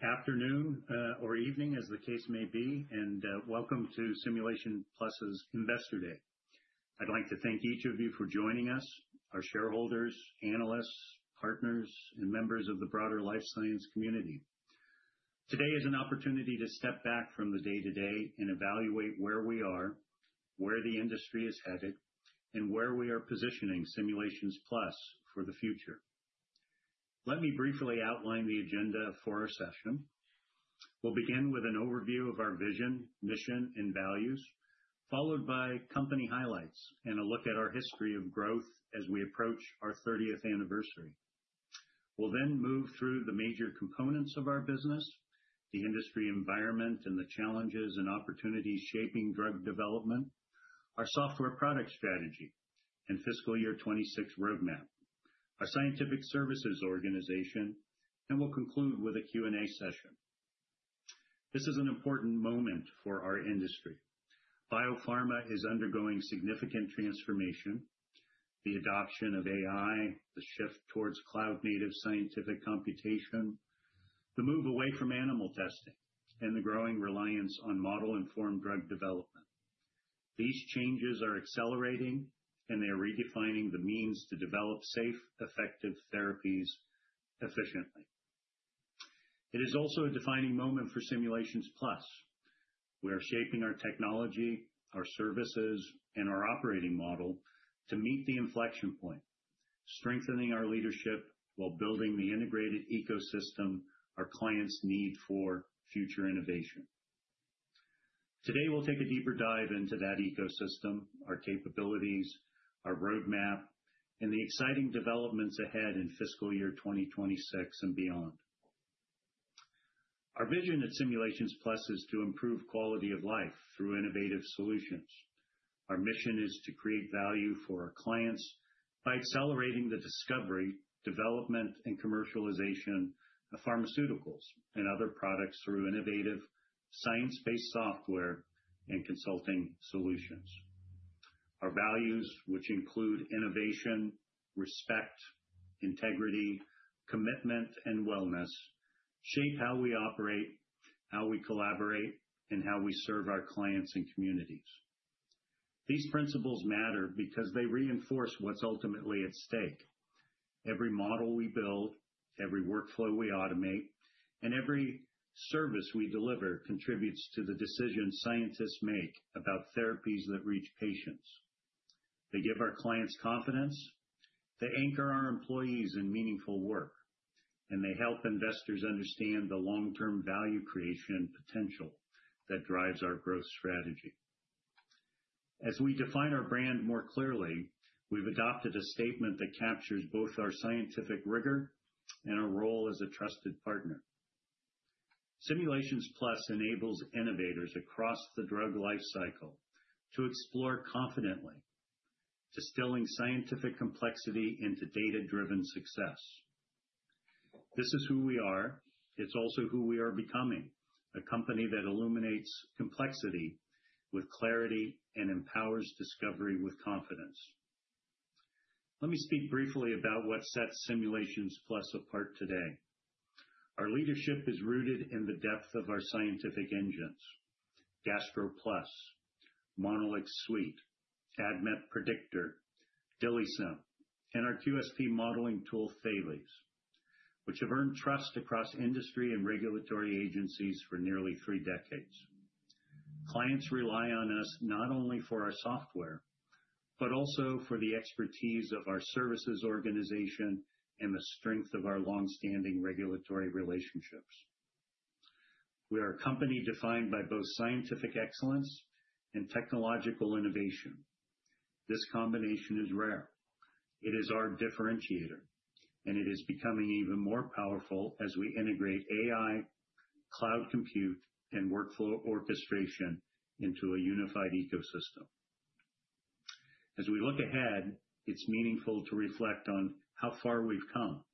Afternoon, or evening as the case may be, and welcome to Simulations Plus' Investor Day. I'd like to thank each of you for joining us, our shareholders, analysts, partners, and members of the broader life science community. Today is an opportunity to step back from the day-to-day and evaluate where we are, where the industry is headed, and where we are positioning Simulations Plus for the future. Let me briefly outline the agenda for our session. We'll begin with an overview of our vision, mission, and values, followed by company highlights and a look at our history of growth as we approach our 30th anniversary. We'll then move through the major components of our business, the industry environment and the challenges and opportunities shaping drug development, our software product strategy, and fiscal year 2026 roadmap, our scientific services organization, and we'll conclude with a Q&A session. This is an important moment for our industry. Biopharma is undergoing significant transformation: the adoption of AI, the shift towards cloud-native scientific computation, the move away from animal testing, and the growing reliance on Model-Informed Drug Development. These changes are accelerating, and they're redefining the means to develop safe, effective therapies efficiently. It is also a defining moment for Simulations Plus. We are shaping our technology, our services, and our operating model to meet the inflection point, strengthening our leadership while building the integrated ecosystem our clients need for future innovation. Today, we'll take a deeper dive into that ecosystem, our capabilities, our roadmap, and the exciting developments ahead in fiscal year 2026 and beyond. Our vision at Simulations Plus is to improve quality of life through innovative solutions. Our mission is to create value for our clients by accelerating the discovery, development, and commercialization of pharmaceuticals and other products through innovative science-based software and consulting solutions. Our values, which include innovation, respect, integrity, commitment, and wellness, shape how we operate, how we collaborate, and how we serve our clients and communities. These principles matter because they reinforce what's ultimately at stake. Every model we build, every workflow we automate, and every service we deliver contributes to the decisions scientists make about therapies that reach patients. They give our clients confidence, they anchor our employees in meaningful work, and they help investors understand the long-term value creation potential that drives our growth strategy. As we define our brand more clearly, we've adopted a statement that captures both our scientific rigor and our role as a trusted partner. Simulations Plus enables innovators across the drug life cycle to explore confidently, distilling scientific complexity into data-driven success. This is who we are. It's also who we are becoming: a company that illuminates complexity with clarity and empowers discovery with confidence. Let me speak briefly about what sets Simulations Plus apart today. Our leadership is rooted in the depth of our scientific engines: GastroPlus, MonolixSuite, ADMET Predictor, DILIsym, and our QSP modeling tool, Thales, which have earned trust across industry and regulatory agencies for nearly three decades. Clients rely on us not only for our software but also for the expertise of our services organization and the strength of our longstanding regulatory relationships. We are a company defined by both scientific excellence and technological innovation. This combination is rare. It is our differentiator, and it is becoming even more powerful as we integrate AI, cloud compute, and workflow orchestration into a unified ecosystem. As we look ahead, it's meaningful to reflect on how far we've come.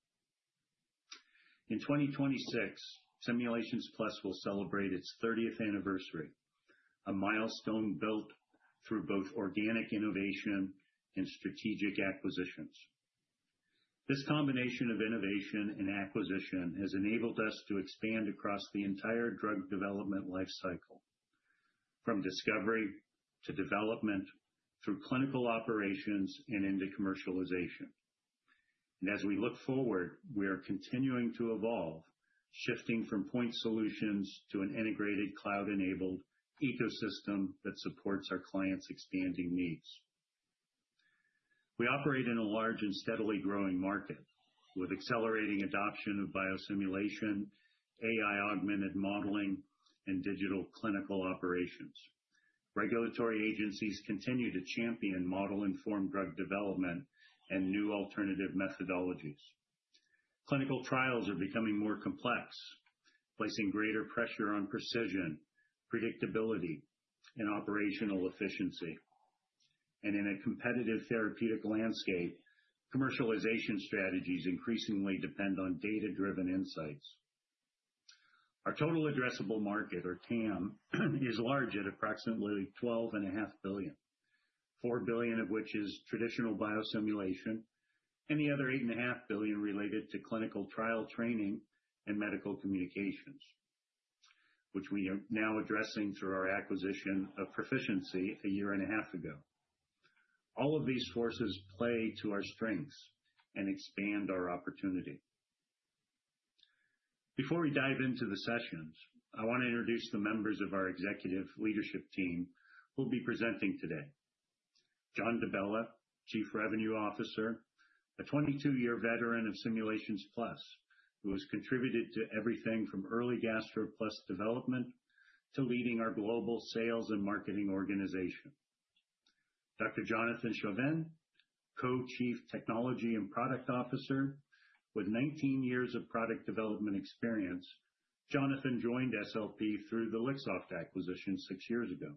In 2026, Simulations Plus will celebrate its 30th anniversary, a milestone built through both organic innovation and strategic acquisitions. This combination of innovation and acquisition has enabled us to expand across the entire drug development life cycle, from discovery to development, through clinical operations and into commercialization, and as we look forward, we are continuing to evolve, shifting from point solutions to an integrated cloud-enabled ecosystem that supports our clients' expanding needs. We operate in a large and steadily growing market with accelerating adoption of biosimulation, AI-augmented modeling, and digital clinical operations. Regulatory agencies continue to champion Model-Informed Drug Development and new alternative methodologies. Clinical trials are becoming more complex, placing greater pressure on precision, predictability, and operational efficiency. In a competitive therapeutic landscape, commercialization strategies increasingly depend on data-driven insights. Our total addressable market, or TAM, is large at approximately $12.5 billion, $4 billion of which is traditional biosimulation and the other $8.5 billion related to clinical trial training and medical communications, which we are now addressing through our acquisition of Pro-ficiency a year and a half ago. All of these forces play to our strengths and expand our opportunity. Before we dive into the sessions, I want to introduce the members of our executive leadership team who will be presenting today: John DiBella, Chief Revenue Officer, a 22-year veteran of Simulations Plus who has contributed to everything from early GastroPlus development to leading our global sales and marketing organization, Dr. Jonathan Chauvin, Co-Chief Technology and Product Officer with 19 years of product development experience. Jonathan joined SLP through the Lixoft acquisition six years ago.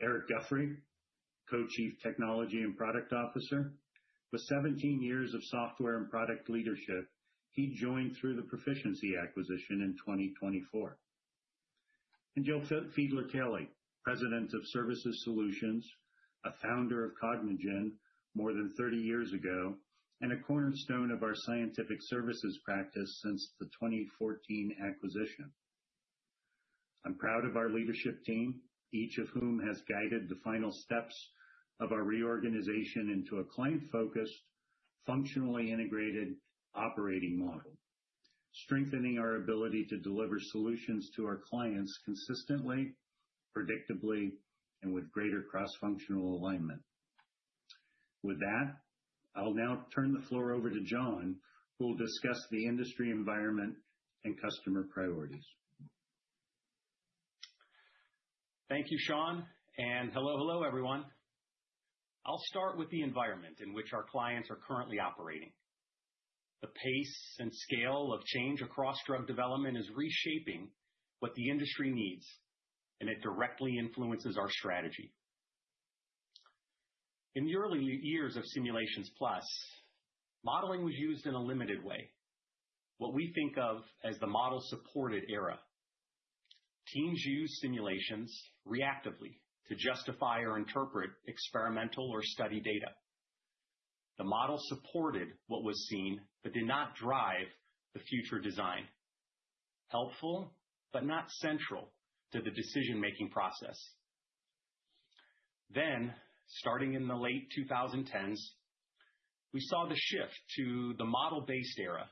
Eric Guffey, Co-Chief Technology and Product Officer with 17 years of software and product leadership. He joined through the Pro-ficiency acquisition in 2024, and Jill Fiedler-Kelly, President of Services Solutions, a founder of Cognigen more than 30 years ago and a cornerstone of our scientific services practice since the 2014 acquisition. I'm proud of our leadership team, each of whom has guided the final steps of our reorganization into a client-focused, functionally integrated operating model, strengthening our ability to deliver solutions to our clients consistently, predictably, and with greater cross-functional alignment. With that, I'll now turn the floor over to John, who will discuss the industry environment and customer priorities. Thank you, Shawn. And hello, hello, everyone. I'll start with the environment in which our clients are currently operating. The pace and scale of change across drug development is reshaping what the industry needs, and it directly influences our strategy. In the early years of Simulations Plus, modeling was used in a limited way, what we think of as the model-supported era. Teams used simulations reactively to justify or interpret experimental or study data. The model supported what was seen but did not drive the future design, helpful but not central to the decision-making process. Then, starting in the late 2010s, we saw the shift to the model-based era,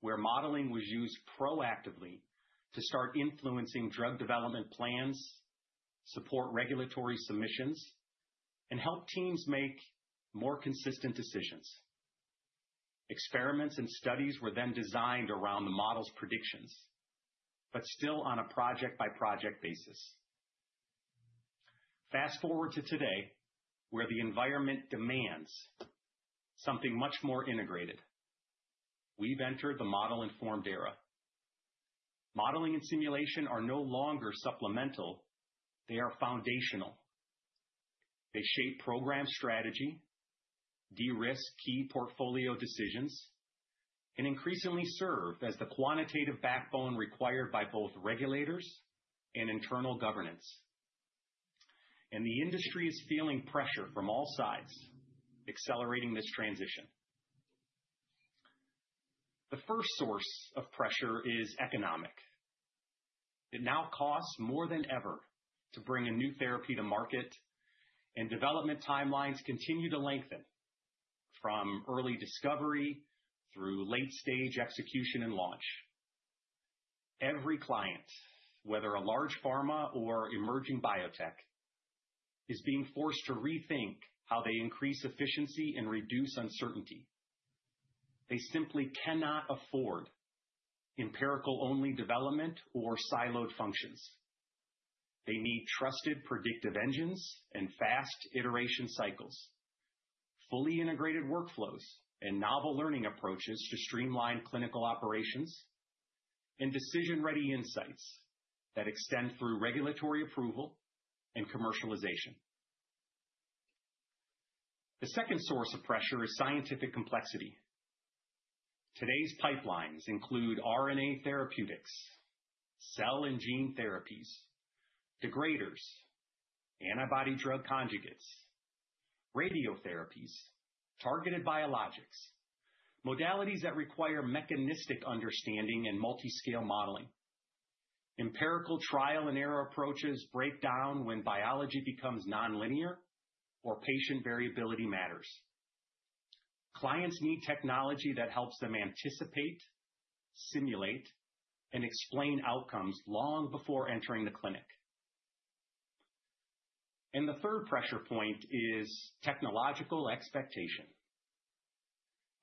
where modeling was used proactively to start influencing drug development plans, support regulatory submissions, and help teams make more consistent decisions. Experiments and studies were then designed around the model's predictions, but still on a project-by-project basis. Fast forward to today, where the environment demands something much more integrated. We've entered the model-informed era. Modeling and simulation are no longer supplemental. They are foundational. They shape program strategy, de-risk key portfolio decisions, and increasingly serve as the quantitative backbone required by both regulators and internal governance, and the industry is feeling pressure from all sides, accelerating this transition. The first source of pressure is economic. It now costs more than ever to bring a new therapy to market, and development timelines continue to lengthen from early discovery through late-stage execution and launch. Every client, whether a large pharma or emerging biotech, is being forced to rethink how they increase efficiency and reduce uncertainty. They simply cannot afford empirical-only development or siloed functions. They need trusted predictive engines and fast iteration cycles, fully integrated workflows and novel learning approaches to streamline clinical operations, and decision-ready insights that extend through regulatory approval and commercialization. The second source of pressure is scientific complexity. Today's pipelines include RNA therapeutics, cell and gene therapies, degraders, antibody-drug conjugates, radiotherapies, targeted biologics, modalities that require mechanistic understanding and multiscale modeling. Empirical trial-and-error approaches break down when biology becomes nonlinear or patient variability matters. Clients need technology that helps them anticipate, simulate, and explain outcomes long before entering the clinic. The third pressure point is technological expectation.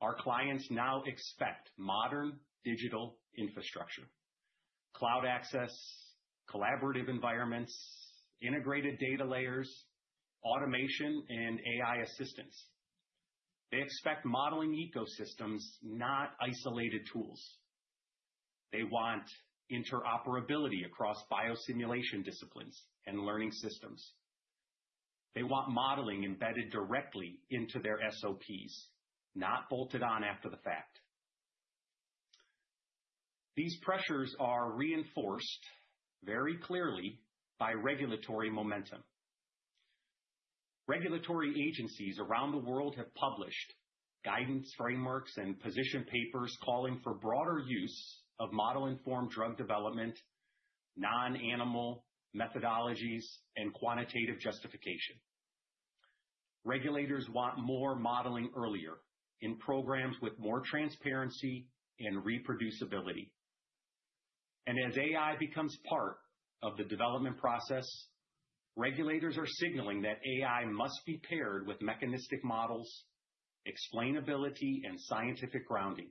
Our clients now expect modern digital infrastructure: cloud access, collaborative environments, integrated data layers, automation, and AI assistance. They expect modeling ecosystems, not isolated tools. They want interoperability across biosimulation disciplines and learning systems. They want modeling embedded directly into their SOPs, not bolted on after the fact. These pressures are reinforced very clearly by regulatory momentum. Regulatory agencies around the world have published guidance frameworks and position papers calling for broader use of Model-Informed Drug Development, non-animal methodologies, and quantitative justification. Regulators want more modeling earlier in programs with more transparency and reproducibility. And as AI becomes part of the development process, regulators are signaling that AI must be paired with mechanistic models, explainability, and scientific grounding,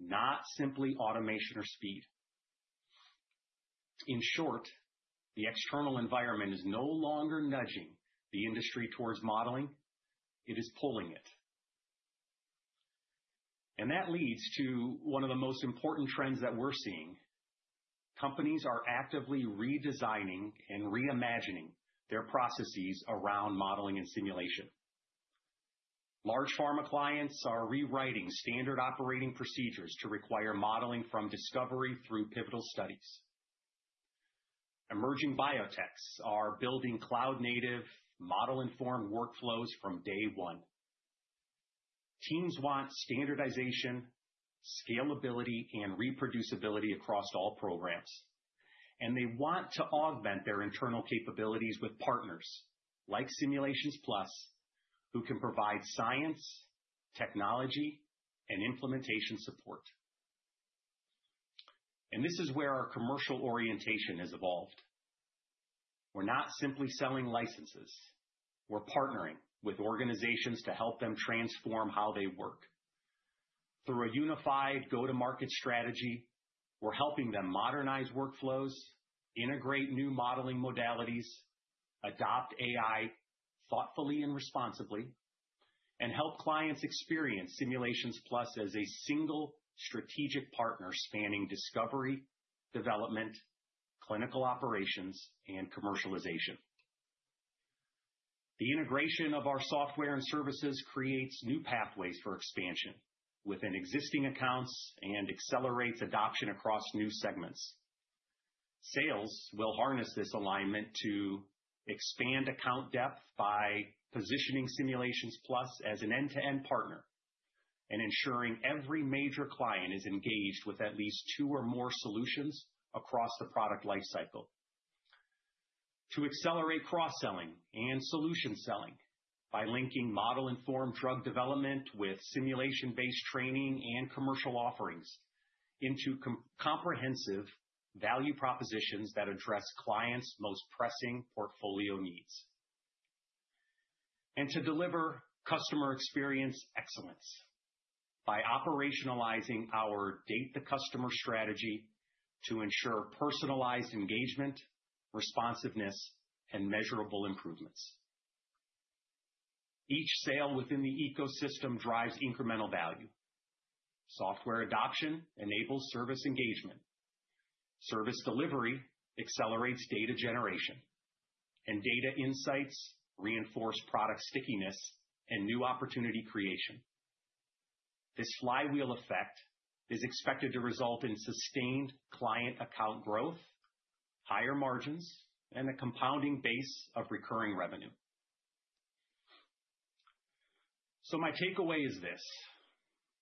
not simply automation or speed. In short, the external environment is no longer nudging the industry towards modeling. It is pulling it. And that leads to one of the most important trends that we're seeing: companies are actively redesigning and reimagining their processes around modeling and simulation. Large pharma clients are rewriting Standard Operating Procedures to require modeling from discovery through pivotal studies. Emerging biotechs are building cloud-native model-informed workflows from day one. Teams want standardization, scalability, and reproducibility across all programs, and they want to augment their internal capabilities with partners like Simulations Plus, who can provide science, technology, and implementation support, and this is where our commercial orientation has evolved. We're not simply selling licenses, we're partnering with organizations to help them transform how they work. Through a unified go-to-market strategy, we're helping them modernize workflows, integrate new modeling modalities, adopt AI thoughtfully and responsibly, and help clients experience Simulations Plus as a single strategic partner spanning discovery, development, clinical operations, and commercialization. The integration of our software and services creates new pathways for expansion within existing accounts and accelerates adoption across new segments. Sales will harness this alignment to expand account depth by positioning Simulations Plus as an end-to-end partner and ensuring every major client is engaged with at least two or more solutions across the product lifecycle. To accelerate cross-selling and solution selling by linking Model-Informed Drug Development with simulation-based training and commercial offerings into comprehensive value propositions that address clients' most pressing portfolio needs, and to deliver customer experience excellence by operationalizing our data-to-customer strategy to ensure personalized engagement, responsiveness, and measurable improvements. Each sale within the ecosystem drives incremental value. Software adoption enables service engagement. Service delivery accelerates data generation, and data insights reinforce product stickiness and new opportunity creation. This flywheel effect is expected to result in sustained client account growth, higher margins, and a compounding base of recurring revenue, so my takeaway is this: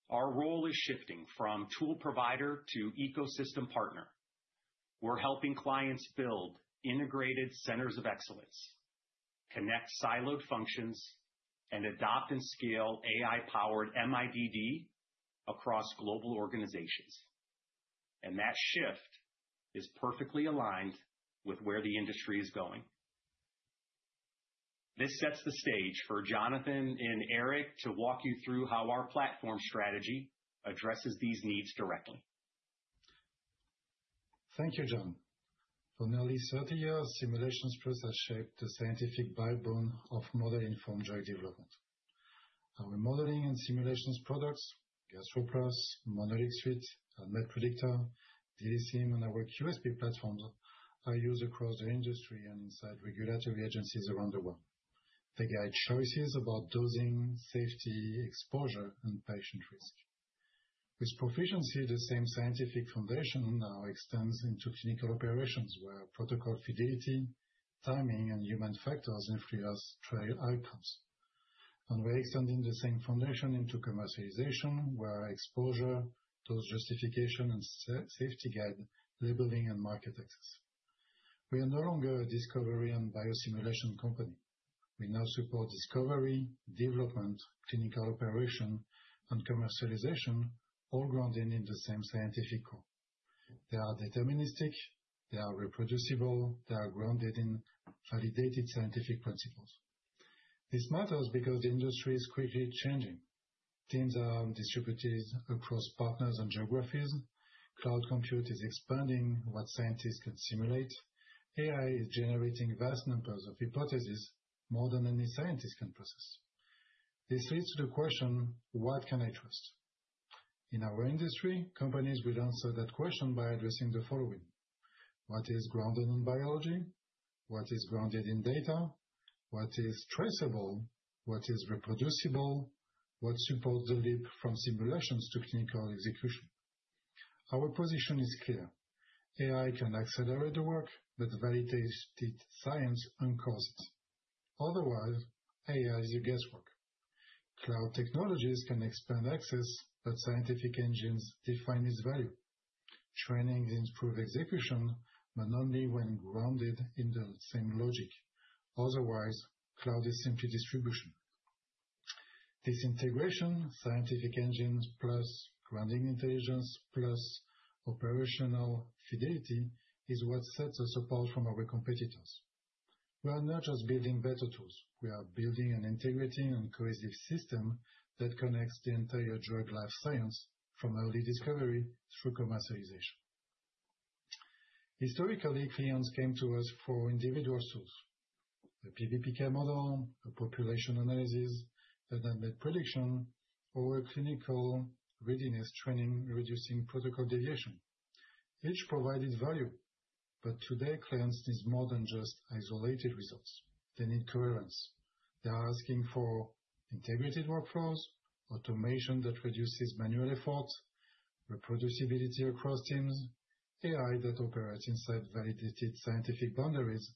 our role is shifting from tool provider to ecosystem partner. We're helping clients build integrated centers of excellence, connect siloed functions, and adopt and scale AI-powered MIDD across global organizations, and that shift is perfectly aligned with where the industry is going. This sets the stage for Jonathan and Eric to walk you through how our platform strategy addresses these needs directly. Thank you, John. For nearly 30 years, Simulations Plus has shaped the scientific backbone of Model-Informed Drug Development. Our modeling and simulations products, GastroPlus, MonolixSuite, ADMET Predictor, DILIsym, and our QSP platforms are used across the industry and inside regulatory agencies around the world. They guide choices about dosing, safety, exposure, and patient risk. With Pro-ficiency, the same scientific foundation now extends into clinical operations where protocol fidelity, timing, and human factors influence trial outcomes, and we're extending the same foundation into commercialization where exposure, dose justification, and safety guide labeling and market access. We are no longer a discovery and biosimulation company. We now support discovery, development, clinical operation, and commercialization, all grounded in the same scientific core. They are deterministic. They are reproducible. They are grounded in validated scientific principles. This matters because the industry is quickly changing. Teams are distributed across partners and geographies. Cloud compute is expanding what scientists can simulate. AI is generating vast numbers of hypotheses more than any scientist can process. This leads to the question, "What can I trust?" In our industry, companies will answer that question by addressing the following: What is grounded in biology? What is grounded in data? What is traceable? What is reproducible? What supports the leap from simulations to clinical execution? Our position is clear. AI can accelerate the work that validates science and causes. Otherwise, AI is your guesswork. Cloud technologies can expand access, but scientific engines define its value. Training improves execution, but only when grounded in the same logic. Otherwise, cloud is simply distribution. This integration, scientific engines plus grounding intelligence plus operational fidelity is what sets us apart from our competitors. We are not just building better tools. We are building an integrated and cohesive system that connects the entire drug life science from early discovery through commercialization. Historically, clients came to us for individual tools: a PBPK model, a population analysis that had made prediction, or a clinical readiness training reducing protocol deviation. Each provided value. But today, clients need more than just isolated results. They need coherence. They are asking for integrated workflows, automation that reduces manual effort, reproducibility across teams, AI that operates inside validated scientific boundaries,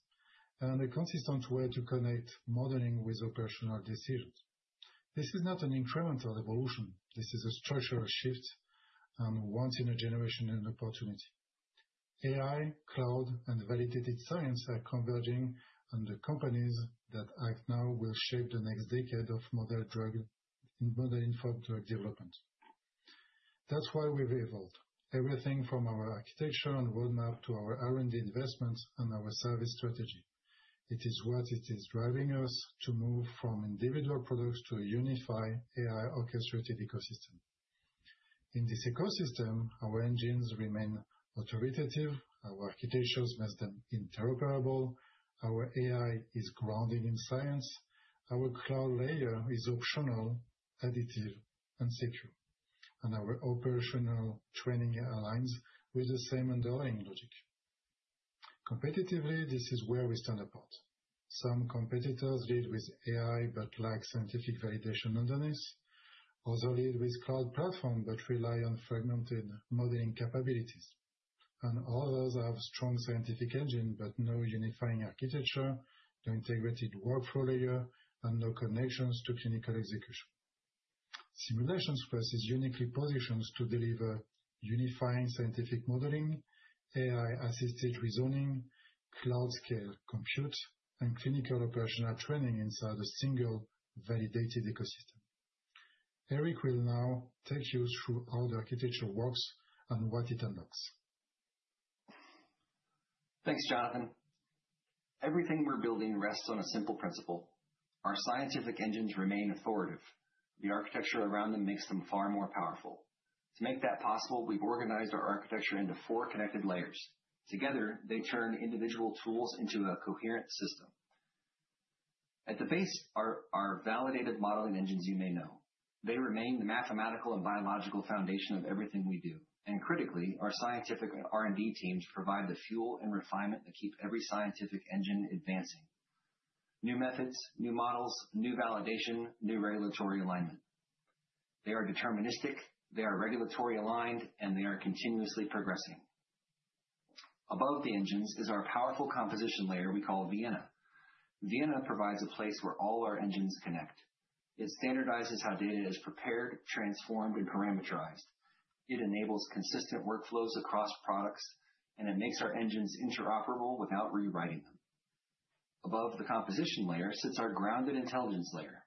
and a consistent way to connect modeling with operational decisions. This is not an incremental evolution. This is a structural shift and once-in-a-generation opportunity. AI, cloud, and validated science are converging, and the companies that act now will shape the next decade of Model-Informed Drug Development. That's why we've evolved. Everything from our architecture and roadmap to our R&D investments and our service strategy. It is what is driving us to move from individual products to a unified AI-orchestrated ecosystem. In this ecosystem, our engines remain authoritative. Our architectures make them interoperable. Our AI is grounded in science. Our cloud layer is optional, additive, and secure, and our operational training aligns with the same underlying logic. Competitively, this is where we stand apart. Some competitors lead with AI but lack scientific validation underneath. Others lead with cloud platform but rely on fragmented modeling capabilities, and others have strong scientific engines but no unifying architecture, no integrated workflow layer, and no connections to clinical execution. Simulations Plus is uniquely positioned to deliver unifying scientific modeling, AI-assisted reasoning, cloud-scale compute, and clinical operational training inside a single validated ecosystem. Eric will now take you through how the architecture works and what it unlocks. Thanks, Jonathan. Everything we're building rests on a simple principle. Our scientific engines remain authoritative. The architecture around them makes them far more powerful. To make that possible, we've organized our architecture into four connected layers. Together, they turn individual tools into a coherent system. At the base are our validated modeling engines you may know. They remain the mathematical and biological foundation of everything we do. And critically, our scientific R&D teams provide the fuel and refinement that keep every scientific engine advancing. New methods, new models, new validation, new regulatory alignment. They are deterministic. They are regulatory aligned. And they are continuously progressing. Above the engines is our powerful composition layer we call Vienna. Vienna provides a place where all our engines connect. It standardizes how data is prepared, transformed, and parameterized. It enables consistent workflows across products. And it makes our engines interoperable without rewriting them. Above the composition layer sits our grounded intelligence layer.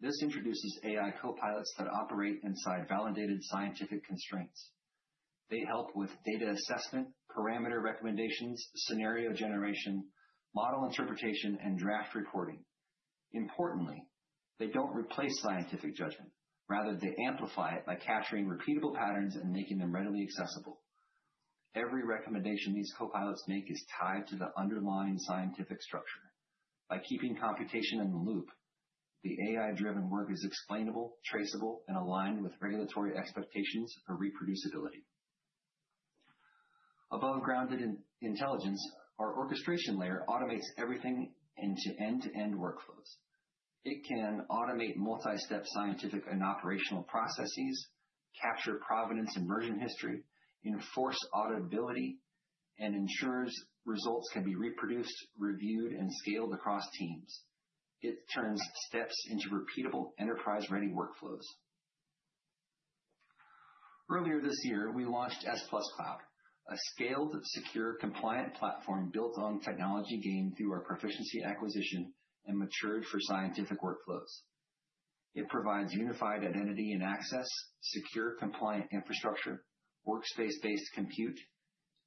This introduces AI copilots that operate inside validated scientific constraints. They help with data assessment, parameter recommendations, scenario generation, model interpretation, and draft reporting. Importantly, they don't replace scientific judgment. Rather, they amplify it by capturing repeatable patterns and making them readily accessible. Every recommendation these copilots make is tied to the underlying scientific structure. By keeping computation in the loop, the AI-driven work is explainable, traceable, and aligned with regulatory expectations for reproducibility. Above grounded intelligence, our orchestration layer automates everything into end-to-end workflows. It can automate multi-step scientific and operational processes, capture provenance and version history, enforce auditability, and ensures results can be reproduced, reviewed, and scaled across teams. It turns steps into repeatable enterprise-ready workflows. Earlier this year, we launched S+ Cloud, a scaled, secure, compliant platform built on technology gained through our Pro-ficiency acquisition and matured for scientific workflows. It provides unified identity and access, secure, compliant infrastructure, workspace-based compute,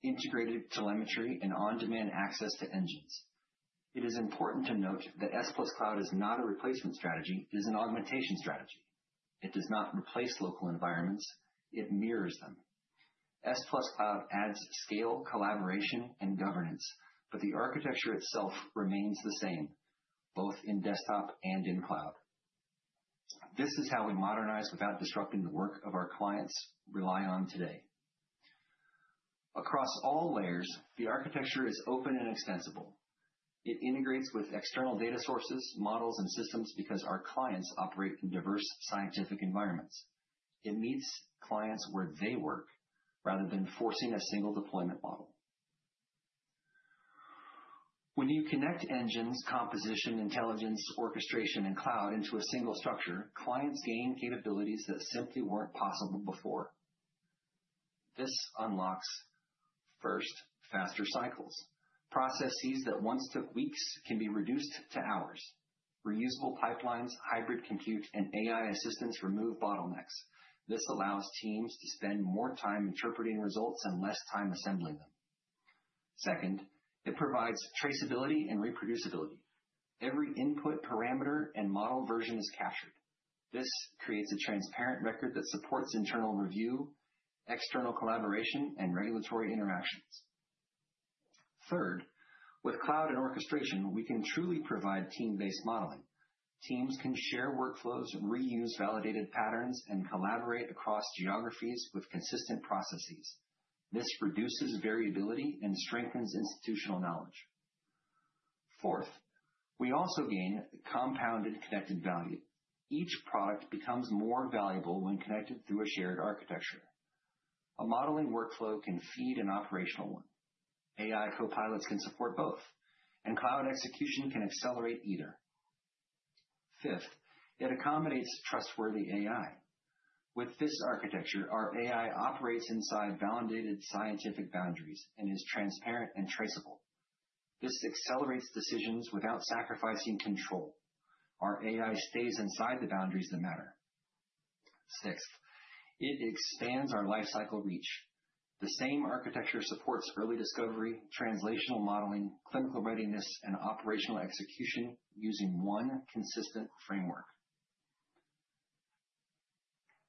integrated telemetry, and on-demand access to engines. It is important to note that S+ Cloud is not a replacement strategy. It is an augmentation strategy. It does not replace local environments. It mirrors them. S+ Cloud adds scale, collaboration, and governance. But the architecture itself remains the same, both in desktop and in cloud. This is how we modernize without disrupting the work our clients rely on today. Across all layers, the architecture is open and extensible. It integrates with external data sources, models, and systems because our clients operate in diverse scientific environments. It meets clients where they work rather than forcing a single deployment model. When you connect engines, composition, intelligence, orchestration, and cloud into a single structure, clients gain capabilities that simply weren't possible before. This unlocks, first, faster cycles. Processes that once took weeks can be reduced to hours. Reusable pipelines, hybrid compute, and AI assistance remove bottlenecks. This allows teams to spend more time interpreting results and less time assembling them. Second, it provides traceability and reproducibility. Every input parameter and model version is captured. This creates a transparent record that supports internal review, external collaboration, and regulatory interactions. Third, with cloud and orchestration, we can truly provide team-based modeling. Teams can share workflows, reuse validated patterns, and collaborate across geographies with consistent processes. This reduces variability and strengthens institutional knowledge. Fourth, we also gain compounded connected value. Each product becomes more valuable when connected through a shared architecture. A modeling workflow can feed an operational one. AI copilots can support both. Cloud execution can accelerate either. Fifth, it accommodates trustworthy AI. With this architecture, our AI operates inside validated scientific boundaries and is transparent and traceable. This accelerates decisions without sacrificing control. Our AI stays inside the boundaries that matter. Sixth, it expands our lifecycle reach. The same architecture supports early discovery, translational modeling, clinical readiness, and operational execution using one consistent framework.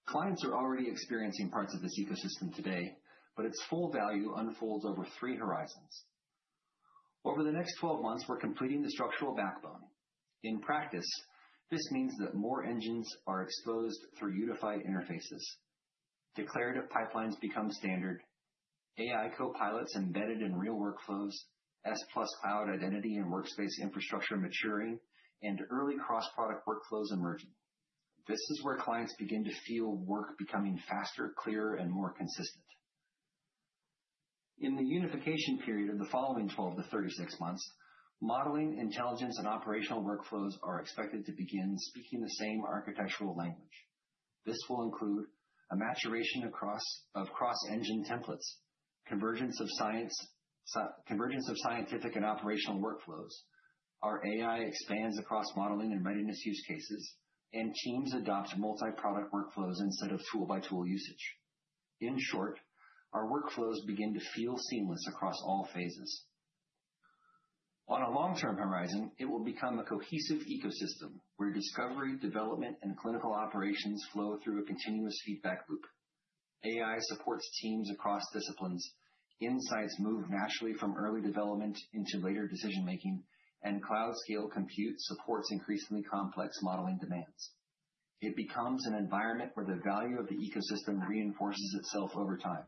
Clients are already experiencing parts of this ecosystem today. Its full value unfolds over three horizons. Over the next 12 months, we're completing the structural backbone. In practice, this means that more engines are exposed through unified interfaces. Declarative pipelines become standard. AI copilots embedded in real workflows. S+ Cloud identity and workspace infrastructure maturing. Early cross-product workflows emerging. This is where clients begin to feel work becoming faster, clearer, and more consistent. In the unification period of the following 12-36 months, modeling, intelligence, and operational workflows are expected to begin speaking the same architectural language. This will include a maturation of cross-engine templates, convergence of scientific and operational workflows. Our AI expands across modeling and readiness use cases. And teams adopt multi-product workflows instead of tool-by-tool usage. In short, our workflows begin to feel seamless across all phases. On a long-term horizon, it will become a cohesive ecosystem where discovery, development, and clinical operations flow through a continuous feedback loop. AI supports teams across disciplines. Insights move naturally from early development into later decision-making. And cloud-scale compute supports increasingly complex modeling demands. It becomes an environment where the value of the ecosystem reinforces itself over time.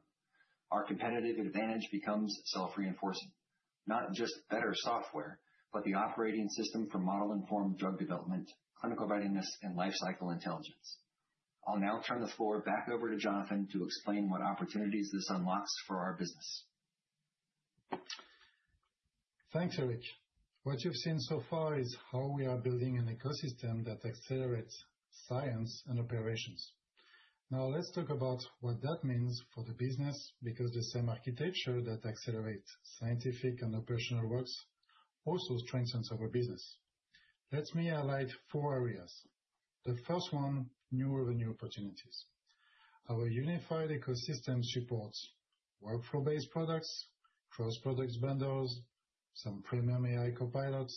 Our competitive advantage becomes self-reinforcing, not just better software, but the operating system for Model-Informed Drug Development, clinical readiness, and lifecycle intelligence. I'll now turn the floor back over to Jonathan to explain what opportunities this unlocks for our business. Thanks, Eric. What you've seen so far is how we are building an ecosystem that accelerates science and operations. Now, let's talk about what that means for the business because the same architecture that accelerates scientific and operational works also strengthens our business. Let me highlight four areas. The first one, new revenue opportunities. Our unified ecosystem supports workflow-based products, cross-product bundles, some premium AI copilots,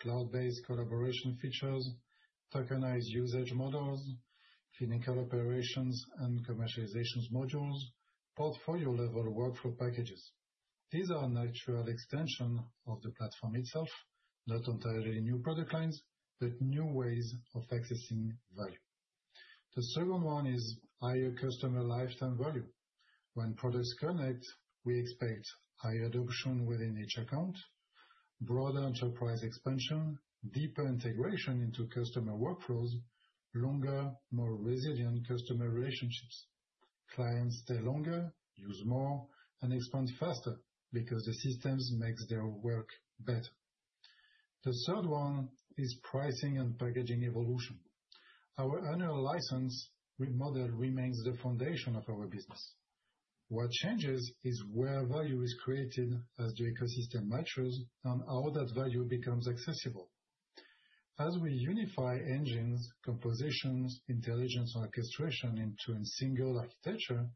cloud-based collaboration features, tokenized usage models, clinical operations and commercialization modules, portfolio-level workflow packages. These are a natural extension of the platform itself, not entirely new product lines, but new ways of accessing value. The second one is higher customer lifetime value. When products connect, we expect higher adoption within each account, broader enterprise expansion, deeper integration into customer workflows, longer, more resilient customer relationships. Clients stay longer, use more, and expand faster because the systems make their work better. The third one is pricing and packaging evolution. Our annual license with model remains the foundation of our business. What changes is where value is created as the ecosystem matures and how that value becomes accessible. As we unify engines, compositions, intelligence, and orchestration into a single architecture,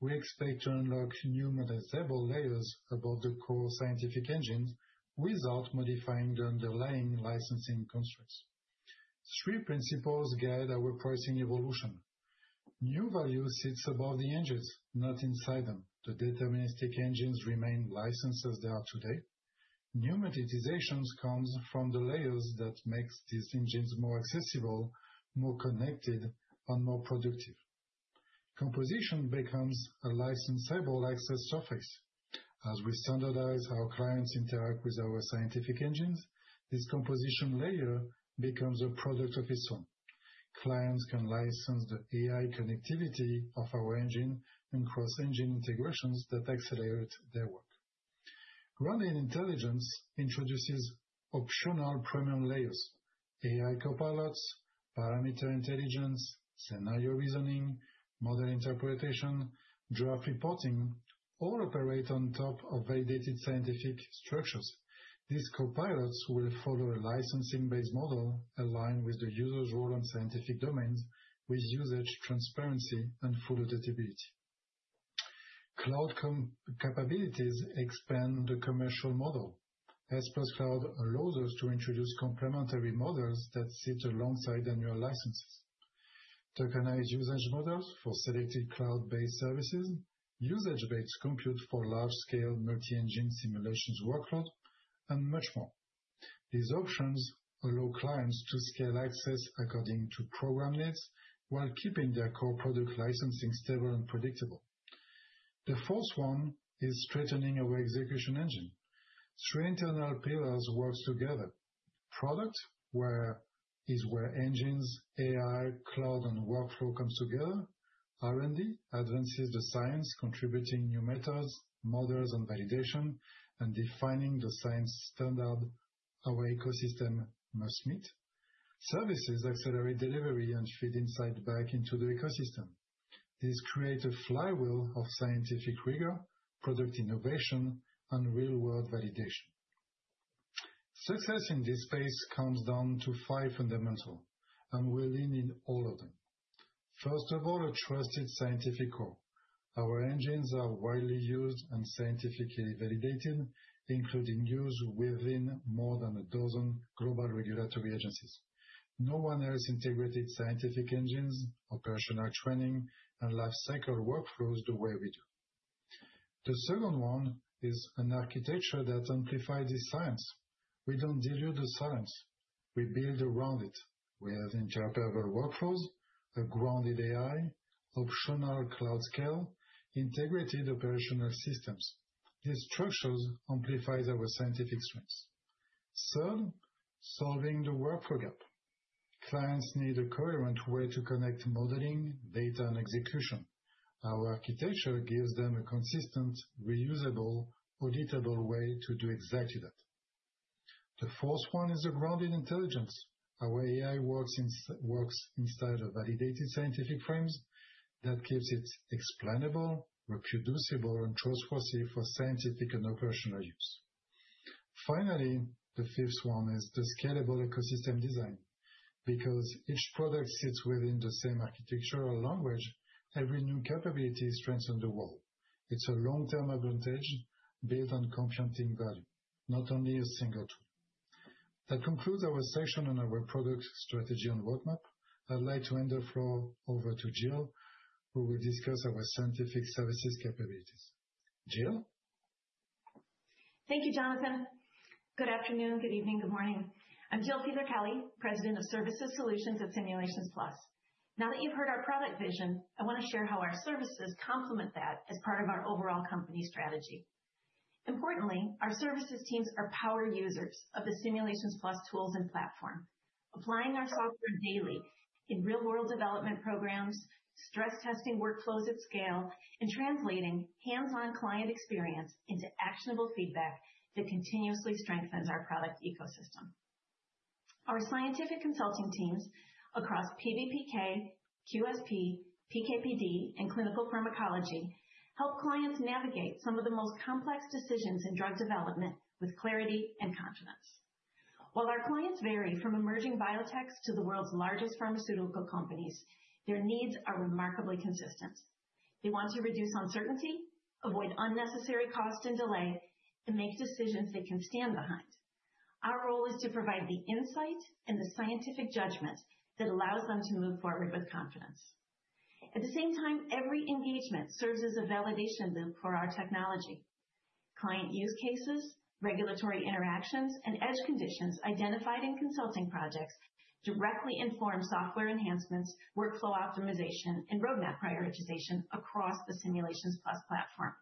we expect to unlock new, more stable layers above the core scientific engines without modifying the underlying licensing constructs. Three principles guide our pricing evolution. New value sits above the engines, not inside them. The deterministic engines remain licensed as they are today. New monetization comes from the layers that make these engines more accessible, more connected, and more productive. Composition becomes a licensable access surface. As we standardize how clients interact with our scientific engines, this composition layer becomes a product of its own. Clients can license the AI connectivity of our engine and cross-engine integrations that accelerate their work. Running intelligence introduces optional premium layers. AI copilots, parameter intelligence, scenario reasoning, model interpretation, draft reporting all operate on top of validated scientific structures. These copilots will follow a licensing-based model aligned with the user's role in scientific domains with usage transparency and full adaptability. Cloud capabilities expand the commercial model. S+ Cloud allows us to introduce complementary models that sit alongside annual licenses. Tokenized usage models for selected cloud-based services, usage-based compute for large-scale multi-engine simulations workload, and much more. These options allow clients to scale access according to program needs while keeping their core product licensing stable and predictable. The fourth one is strengthening our execution engine. Three internal pillars work together. Product is where engines, AI, cloud, and workflow come together. R&D advances the science, contributing new methods, models, and validation, and defining the science standard our ecosystem must meet. Services accelerate delivery and feed insight back into the ecosystem. This creates a flywheel of scientific rigor, product innovation, and real-world validation. Success in this space comes down to five fundamentals, and we lean in all of them. First of all, a trusted scientific core. Our engines are widely used and scientifically validated, including use within more than a dozen global regulatory agencies. No one else integrated scientific engines, operational training, and lifecycle workflows the way we do. The second one is an architecture that amplifies the science. We don't dilute the science. We build around it. We have interoperable workflows, a grounded AI, optional cloud scale, integrated operational systems. These structures amplify our scientific strengths. Third, solving the workflow gap. Clients need a coherent way to connect modeling, data, and execution. Our architecture gives them a consistent, reusable, auditable way to do exactly that. The fourth one is a grounded intelligence. Our AI works inside of validated scientific frames that keeps it explainable, reproducible, and trustworthy for scientific and operational use. Finally, the fifth one is the scalable ecosystem design. Because each product sits within the same architectural language, every new capability strengthens the wall. It's a long-term advantage built on computing value, not only a single tool. That concludes our section on our product strategy and roadmap. I'd like to hand the floor over to Jill, who will discuss our scientific services capabilities. Jill? Thank you, Jonathan. Good afternoon, good evening, good morning. I'm Jill Fiedler-Kelly, President of Services Solutions at Simulations Plus. Now that you've heard our product vision, I want to share how our services complement that as part of our overall company strategy. Importantly, our services teams are power users of the Simulations Plus tools and platform, applying our software daily in real-world development programs, stress-testing workflows at scale, and translating hands-on client experience into actionable feedback that continuously strengthens our product ecosystem. Our scientific consulting teams across PBPK, QSP, PKPD, and clinical pharmacology help clients navigate some of the most complex decisions in drug development with clarity and confidence. While our clients vary from emerging biotechs to the world's largest pharmaceutical companies, their needs are remarkably consistent. They want to reduce uncertainty, avoid unnecessary cost and delay, and make decisions they can stand behind. Our role is to provide the insight and the scientific judgment that allows them to move forward with confidence. At the same time, every engagement serves as a validation loop for our technology. Client use cases, regulatory interactions, and edge conditions identified in consulting projects directly inform software enhancements, workflow optimization, and roadmap prioritization across the Simulations Plus platform.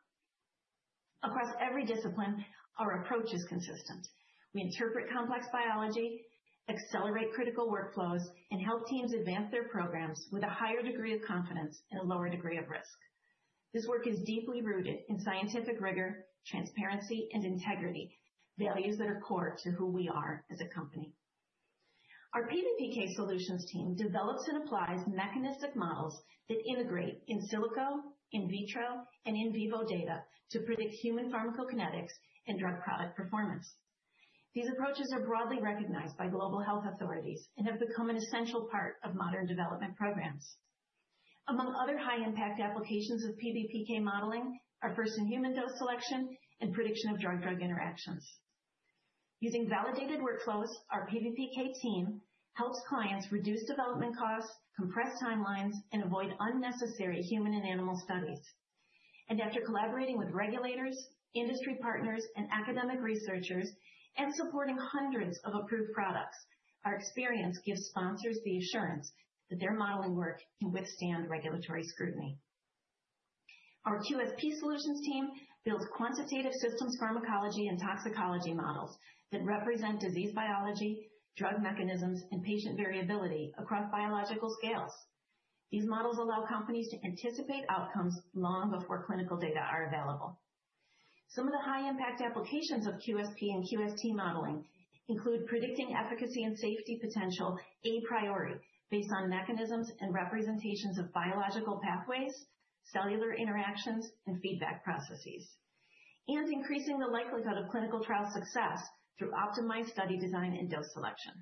Across every discipline, our approach is consistent. We interpret complex biology, accelerate critical workflows, and help teams advance their programs with a higher degree of confidence and a lower degree of risk. This work is deeply rooted in scientific rigor, transparency, and integrity, values that are core to who we are as a company. Our PBPK solutions team develops and applies mechanistic models that integrate in silico, in vitro, and in vivo data to predict human pharmacokinetics and drug product performance. These approaches are broadly recognized by global health authorities and have become an essential part of modern development programs. Among other high-impact applications of PBPK modeling are first-in-human dose selection and prediction of drug-drug interactions. Using validated workflows, our PBPK team helps clients reduce development costs, compress timelines, and avoid unnecessary human and animal studies, and after collaborating with regulators, industry partners, and academic researchers, and supporting hundreds of approved products, our experience gives sponsors the assurance that their modeling work can withstand regulatory scrutiny. Our QSP solutions team builds quantitative systems pharmacology and toxicology models that represent disease biology, drug mechanisms, and patient variability across biological scales. These models allow companies to anticipate outcomes long before clinical data are available. Some of the high-impact applications of QSP and QST modeling include predicting efficacy and safety potential a priori based on mechanisms and representations of biological pathways, cellular interactions, and feedback processes, and increasing the likelihood of clinical trial success through optimized study design and dose selection.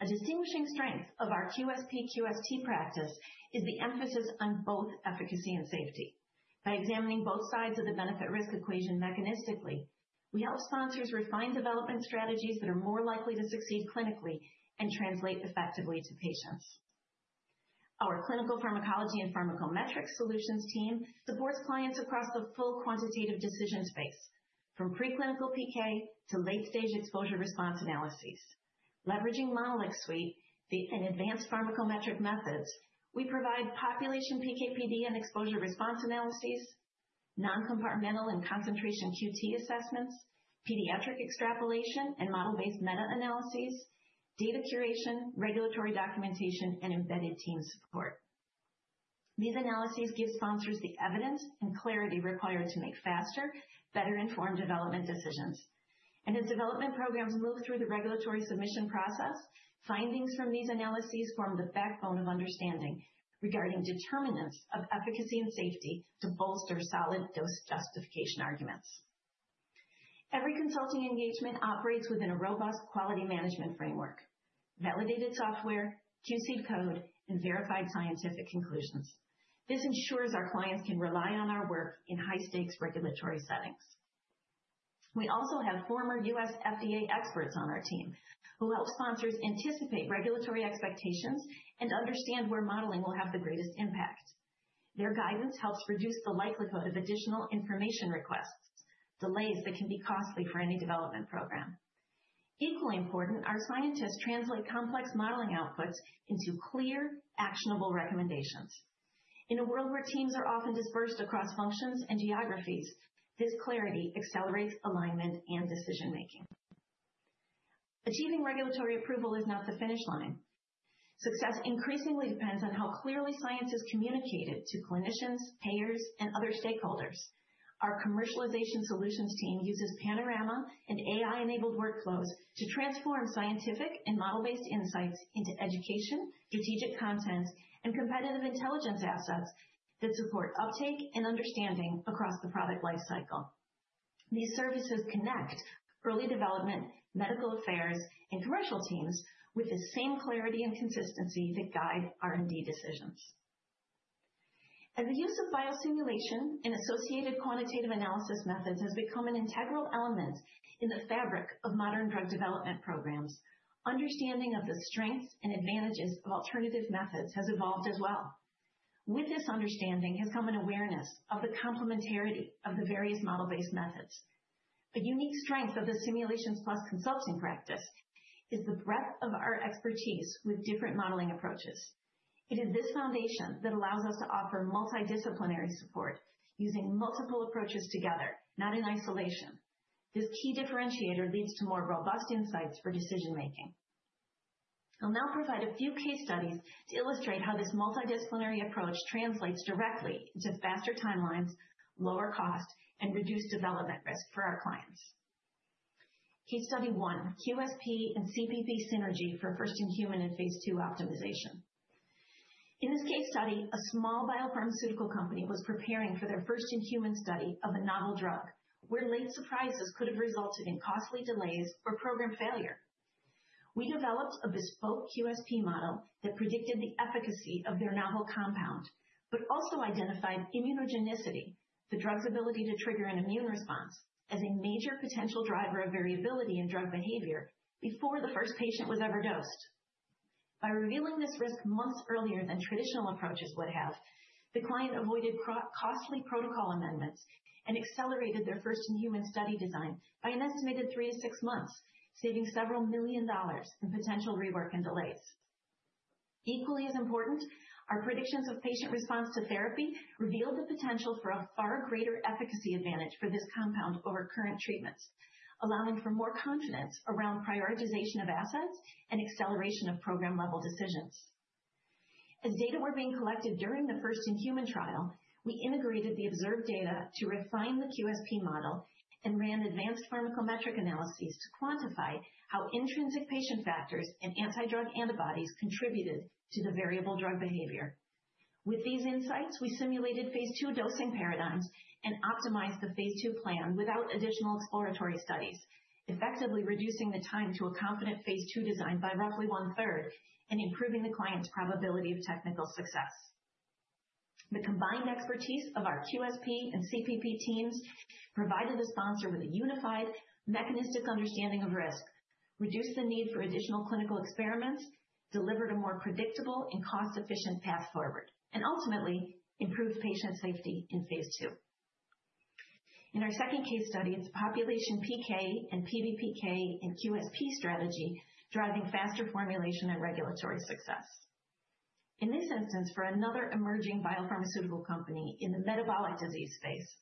A distinguishing strength of our QSP/QST practice is the emphasis on both efficacy and safety. By examining both sides of the benefit-risk equation mechanistically, we help sponsors refine development strategies that are more likely to succeed clinically and translate effectively to patients. Our clinical pharmacology and pharmacometric solutions team supports clients across the full quantitative decision space, from preclinical PK to late-stage exposure response analyses. Leveraging MonolixSuite and advanced pharmacometric methods, we provide population PKPD and exposure response analyses, non-compartmental and concentration-QT assessments, pediatric extrapolation and model-based meta-analyses, data curation, regulatory documentation, and embedded team support. These analyses give sponsors the evidence and clarity required to make faster, better-informed development decisions. And as development programs move through the regulatory submission process, findings from these analyses form the backbone of understanding regarding determinants of efficacy and safety to bolster solid dose justification arguments. Every consulting engagement operates within a robust quality management framework, validated software, QC code, and verified scientific conclusions. This ensures our clients can rely on our work in high-stakes regulatory settings. We also have former U.S. FDA experts on our team who help sponsors anticipate regulatory expectations and understand where modeling will have the greatest impact. Their guidance helps reduce the likelihood of additional information requests, delays that can be costly for any development program. Equally important, our scientists translate complex modeling outputs into clear, actionable recommendations. In a world where teams are often dispersed across functions and geographies, this clarity accelerates alignment and decision-making. Achieving regulatory approval is not the finish line. Success increasingly depends on how clearly science is communicated to clinicians, payers, and other stakeholders. Our commercialization solutions team uses Panorama and AI-enabled workflows to transform scientific and model-based insights into education, strategic content, and competitive intelligence assets that support uptake and understanding across the product lifecycle. These services connect early development, medical affairs, and commercial teams with the same clarity and consistency that guide R&D decisions. As the use of biosimulation and associated quantitative analysis methods has become an integral element in the fabric of modern drug development programs, understanding of the strengths and advantages of alternative methods has evolved as well. With this understanding has come an awareness of the complementarity of the various model-based methods. A unique strength of the Simulations Plus consulting practice is the breadth of our expertise with different modeling approaches. It is this foundation that allows us to offer multidisciplinary support using multiple approaches together, not in isolation. This key differentiator leads to more robust insights for decision-making. I'll now provide a few case studies to illustrate how this multidisciplinary approach translates directly into faster timelines, lower cost, and reduced development risk for our clients. Case study one, QSP and CPP synergy for first-in-human and phase II optimization. In this case study, a small biopharmaceutical company was preparing for their first-in-human study of a novel drug where late surprises could have resulted in costly delays or program failure. We developed a bespoke QSP model that predicted the efficacy of their novel compound, but also identified immunogenicity, the drug's ability to trigger an immune response, as a major potential driver of variability in drug behavior before the first patient was ever dosed. By revealing this risk months earlier than traditional approaches would have, the client avoided costly protocol amendments and accelerated their first-in-human study design by an estimated three to six months, saving several million dollars in potential rework and delays. Equally as important, our predictions of patient response to therapy revealed the potential for a far greater efficacy advantage for this compound over current treatments, allowing for more confidence around prioritization of assets and acceleration of program-level decisions. As data were being collected during the first-in-human trial, we integrated the observed data to refine the QSP model and ran advanced pharmacometric analyses to quantify how intrinsic patient factors and antidrug antibodies contributed to the variable drug behavior. With these insights, we simulated phase II dosing paradigms and optimized the phase II plan without additional exploratory studies, effectively reducing the time to a confident phase II design by roughly one-third and improving the client's probability of technical success. The combined expertise of our QSP and CPP teams provided the sponsor with a unified mechanistic understanding of risk, reduced the need for additional clinical experiments, delivered a more predictable and cost-efficient path forward, and ultimately improved patient safety in phase II. In our second case study, it's population PK and PBPK and QSP strategy driving faster formulation and regulatory success. In this instance, for another emerging biopharmaceutical company in the metabolic disease space,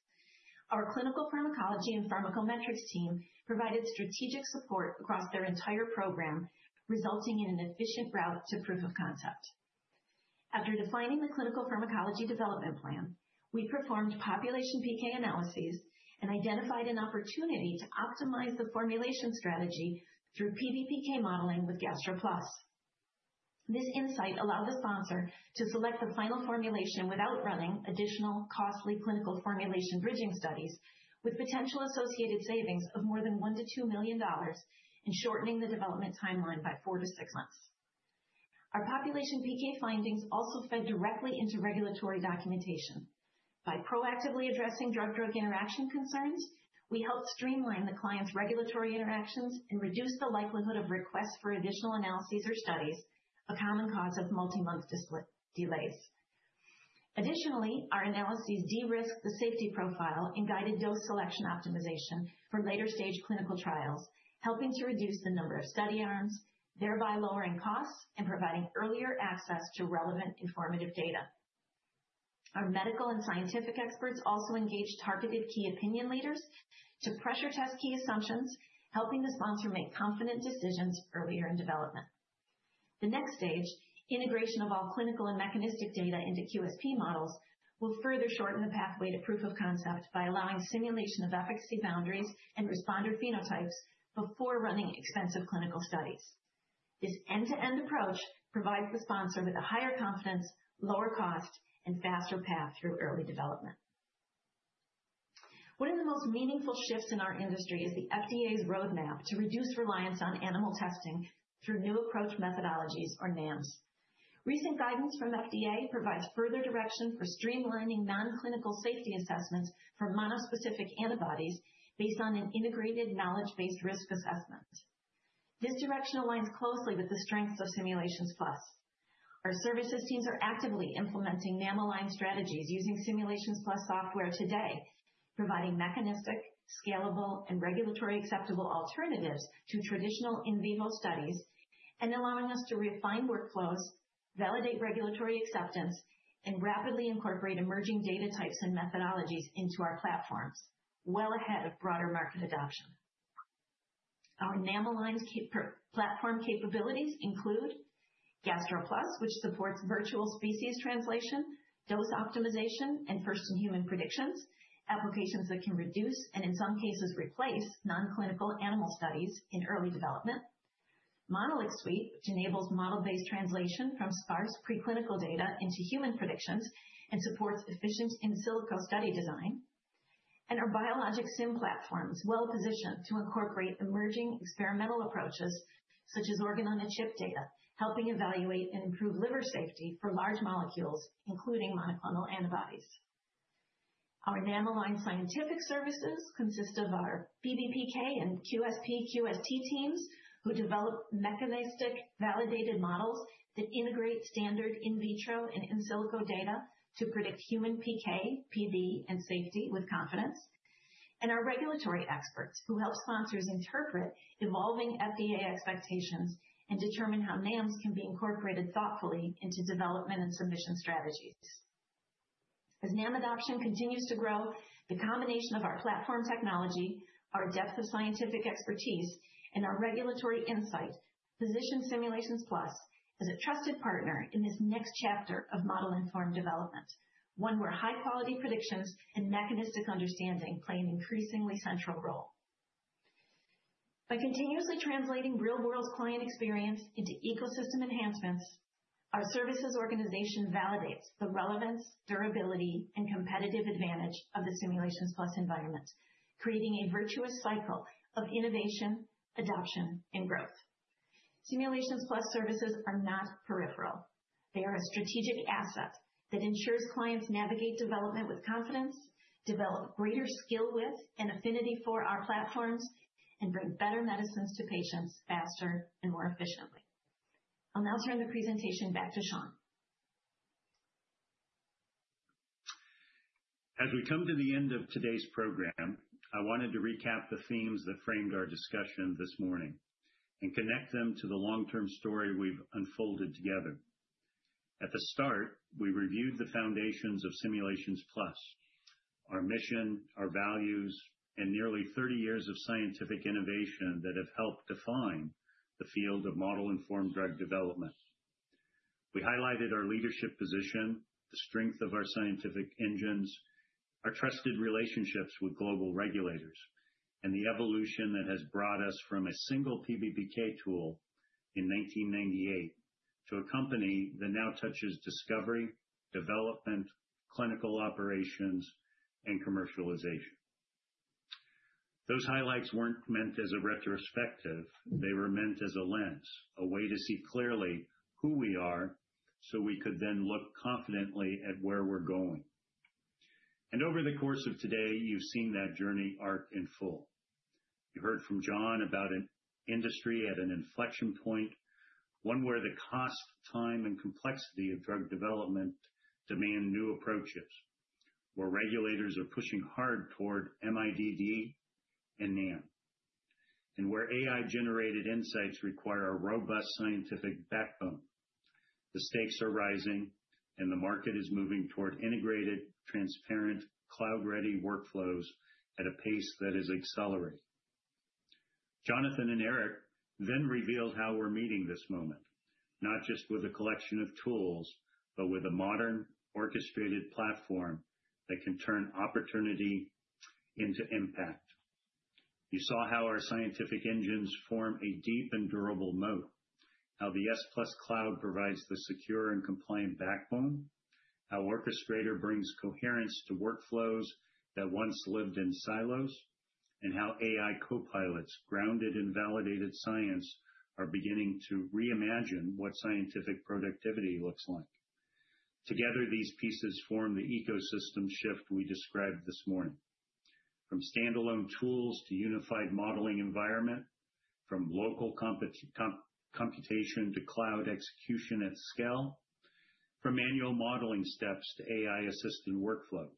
our clinical pharmacology and pharmacometrics team provided strategic support across their entire program, resulting in an efficient route to proof of concept. After defining the clinical pharmacology development plan, we performed population PK analyses and identified an opportunity to optimize the formulation strategy through PBPK modeling with GastroPlus. This insight allowed the sponsor to select the final formulation without running additional costly clinical formulation bridging studies with potential associated savings of more than $1 million-$2 million and shortening the development timeline by four to six months. Our population PK findings also fed directly into regulatory documentation. By proactively addressing drug-drug interaction concerns, we helped streamline the client's regulatory interactions and reduce the likelihood of requests for additional analyses or studies, a common cause of multi-month delays. Additionally, our analyses de-risked the safety profile and guided dose selection optimization for later-stage clinical trials, helping to reduce the number of study arms, thereby lowering costs and providing earlier access to relevant informative data. Our medical and scientific experts also engaged targeted key opinion leaders to pressure test key assumptions, helping the sponsor make confident decisions earlier in development. The next stage, integration of all clinical and mechanistic data into QSP models, will further shorten the pathway to proof of concept by allowing simulation of efficacy boundaries and responder phenotypes before running expensive clinical studies. This end-to-end approach provides the sponsor with a higher confidence, lower cost, and faster path through early development. One of the most meaningful shifts in our industry is the FDA's roadmap to reduce reliance on animal testing through new approach methodologies, or NAMs. Recent guidance from FDA provides further direction for streamlining non-clinical safety assessments for monospecific antibodies based on an integrated knowledge-based risk assessment. This direction aligns closely with the strengths of Simulations Plus. Our services teams are actively implementing NAM-aligned strategies using Simulations Plus software today, providing mechanistic, scalable, and regulatory-acceptable alternatives to traditional in vivo studies, and allowing us to refine workflows, validate regulatory acceptance, and rapidly incorporate emerging data types and methodologies into our platforms, well ahead of broader market adoption. Our NAM-aligned platform capabilities include GastroPlus, which supports virtual species translation, dose optimization, and first-in-human predictions, applications that can reduce and, in some cases, replace non-clinical animal studies in early development. MonolixSuite, which enables model-based translation from sparse preclinical data into human predictions and supports efficient in silico study design. And our biologic sim platforms, well-positioned to incorporate emerging experimental approaches such as organ-on-a-chip data, helping evaluate and improve liver safety for large molecules, including monoclonal antibodies. Our NAM-aligned scientific services consist of our PBPK and QSP/QST teams who develop mechanistic validated models that integrate standard in vitro and in silico data to predict human PK, PD, and safety with confidence, and our regulatory experts who help sponsors interpret evolving FDA expectations and determine how NAMs can be incorporated thoughtfully into development and submission strategies. As NAM adoption continues to grow, the combination of our platform technology, our depth of scientific expertise, and our regulatory insight positions Simulations Plus as a trusted partner in this next chapter of model-informed development, one where high-quality predictions and mechanistic understanding play an increasingly central role. By continuously translating real-world client experience into ecosystem enhancements, our services organization validates the relevance, durability, and competitive advantage of the Simulations Plus environment, creating a virtuous cycle of innovation, adoption, and growth. Simulations Plus services are not peripheral. They are a strategic asset that ensures clients navigate development with confidence, develop greater skill with and affinity for our platforms, and bring better medicines to patients faster and more efficiently. I'll now turn the presentation back to Shawn. As we come to the end of today's program, I wanted to recap the themes that framed our discussion this morning and connect them to the long-term story we've unfolded together. At the start, we reviewed the foundations of Simulations Plus, our mission, our values, and nearly 30 years of scientific innovation that have helped define the field of Model-Informed Drug Development. We highlighted our leadership position, the strength of our scientific engines, our trusted relationships with global regulators, and the evolution that has brought us from a single PBPK tool in 1998 to a company that now touches discovery, development, clinical operations, and commercialization. Those highlights weren't meant as a retrospective. They were meant as a lens, a way to see clearly who we are so we could then look confidently at where we're going, and over the course of today, you've seen that journey arc in full. You heard from John about an industry at an inflection point, one where the cost, time, and complexity of drug development demand new approaches, where regulators are pushing hard toward MIDD and NAM, and where AI-generated insights require a robust scientific backbone. The stakes are rising, and the market is moving toward integrated, transparent, cloud-ready workflows at a pace that is accelerating. Jonathan and Eric then revealed how we're meeting this moment, not just with a collection of tools, but with a modern orchestrated platform that can turn opportunity into impact. You saw how our scientific engines form a deep and durable moat, how the S+ Cloud provides the secure and compliant backbone, how Orchestrator brings coherence to workflows that once lived in silos, and how AI copilots, grounded in validated science, are beginning to reimagine what scientific productivity looks like. Together, these pieces form the ecosystem shift we described this morning. From standalone tools to unified modeling environment, from local computation to cloud execution at scale, from manual modeling steps to AI-assisted workflows,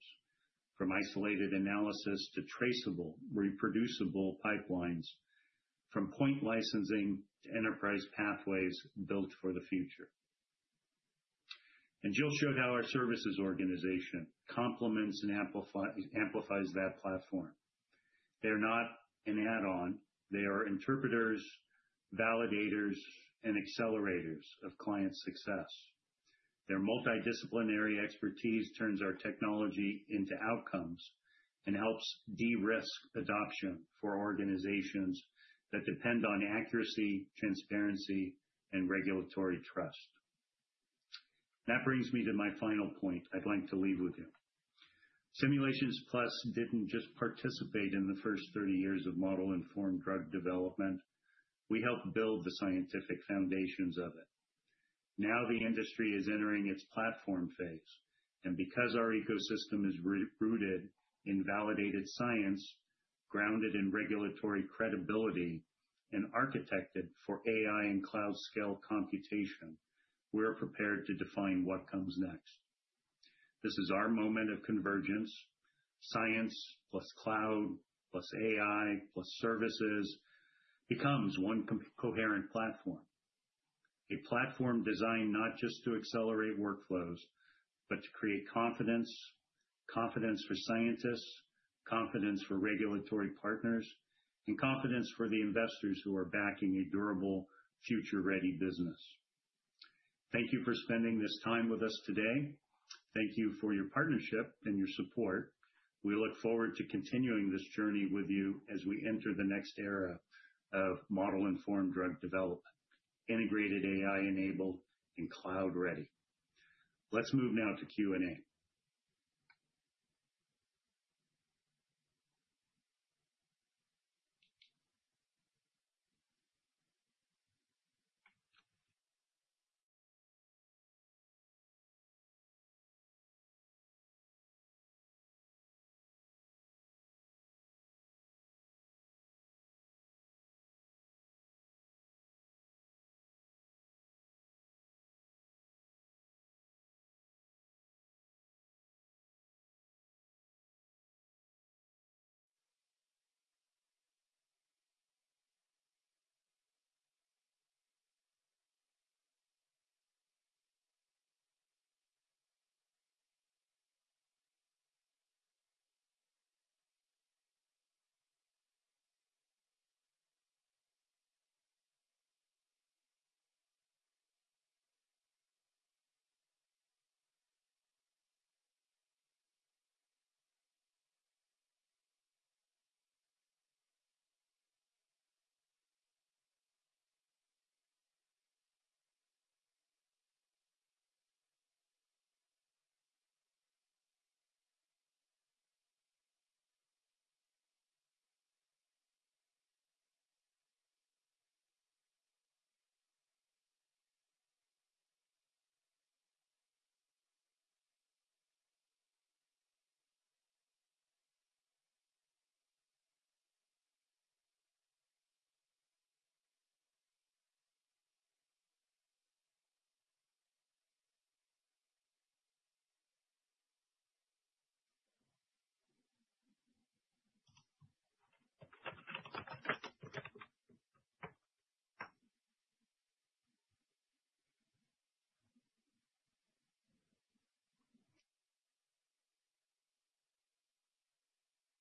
from isolated analysis to traceable, reproducible pipelines, from point licensing to enterprise pathways built for the future. And Jill showed how our services organization complements and amplifies that platform. They're not an add-on. They are interpreters, validators, and accelerators of client success. Their multidisciplinary expertise turns our technology into outcomes and helps de-risk adoption for organizations that depend on accuracy, transparency, and regulatory trust. That brings me to my final point I'd like to leave with you. Simulations Plus didn't just participate in the first 30 years of Model-Informed Drug Development. We helped build the scientific foundations of it. Now the industry is entering its platform phase. Because our ecosystem is rooted in validated science, grounded in regulatory credibility, and architected for AI and cloud-scale computation, we're prepared to define what comes next. This is our moment of convergence. Science plus cloud plus AI plus services becomes one coherent platform, a platform designed not just to accelerate workflows, but to create confidence, confidence for scientists, confidence for regulatory partners, and confidence for the investors who are backing a durable, future-ready business. Thank you for spending this time with us today. Thank you for your partnership and your support. We look forward to continuing this journey with you as we enter the next era of Model-Informed Drug Development, integrated AI-enabled and cloud-ready. Let's move now to Q&A.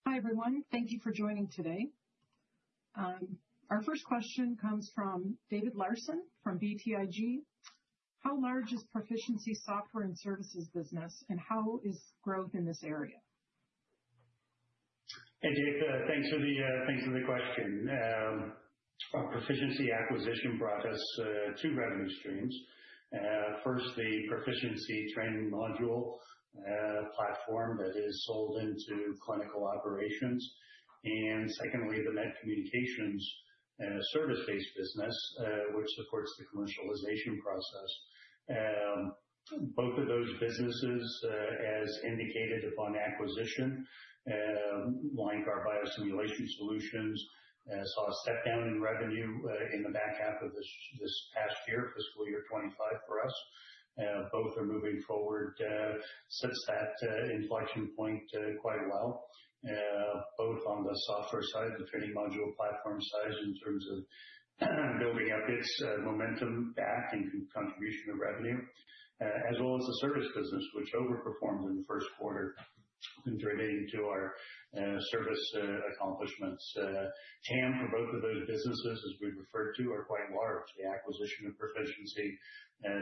Hi, everyone. Thank you for joining today. Our first question comes from David Larsen from BTIG. How large is Pro-ficiency software and services business, and how is growth in this area? Hey, Dave. Thanks for the question. Our Pro-ficiency acquisition brought us two revenue streams. First, the Pro-ficiency training module platform that is sold into clinical operations. And secondly, the med communications service-based business, which supports the commercialization process. Both of those businesses, as indicated upon acquisition, like our biosimulation solutions, saw a step down in revenue in the back half of this past year, fiscal year 2025 for us. Both are moving forward since that inflection point quite well, both on the software side, the training module platform side in terms of building up its momentum back and contribution of revenue, as well as the service business, which overperformed in the first quarter, contributing to our service accomplishments. TAM for both of those businesses, as we've referred to, are quite large. The acquisition of Pro-ficiency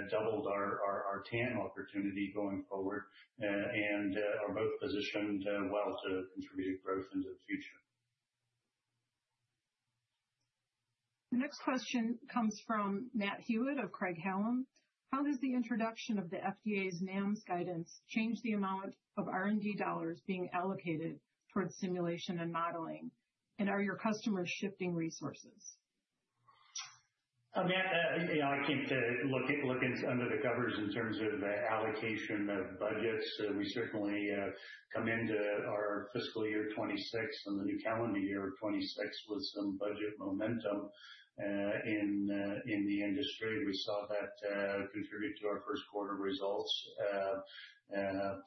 doubled our TAM opportunity going forward and are both positioned well to contribute growth into the future. The next question comes from Matt Hewitt of Craig-Hallum. How has the introduction of the FDA's NAMs guidance changed the amount of R&D dollars being allocated towards simulation and modeling? And are your customers shifting resources? Matt, I can't look under the covers in terms of allocation of budgets. We certainly come into our fiscal year 2026 and the new calendar year of 2026 with some budget momentum in the industry. We saw that contribute to our first quarter results,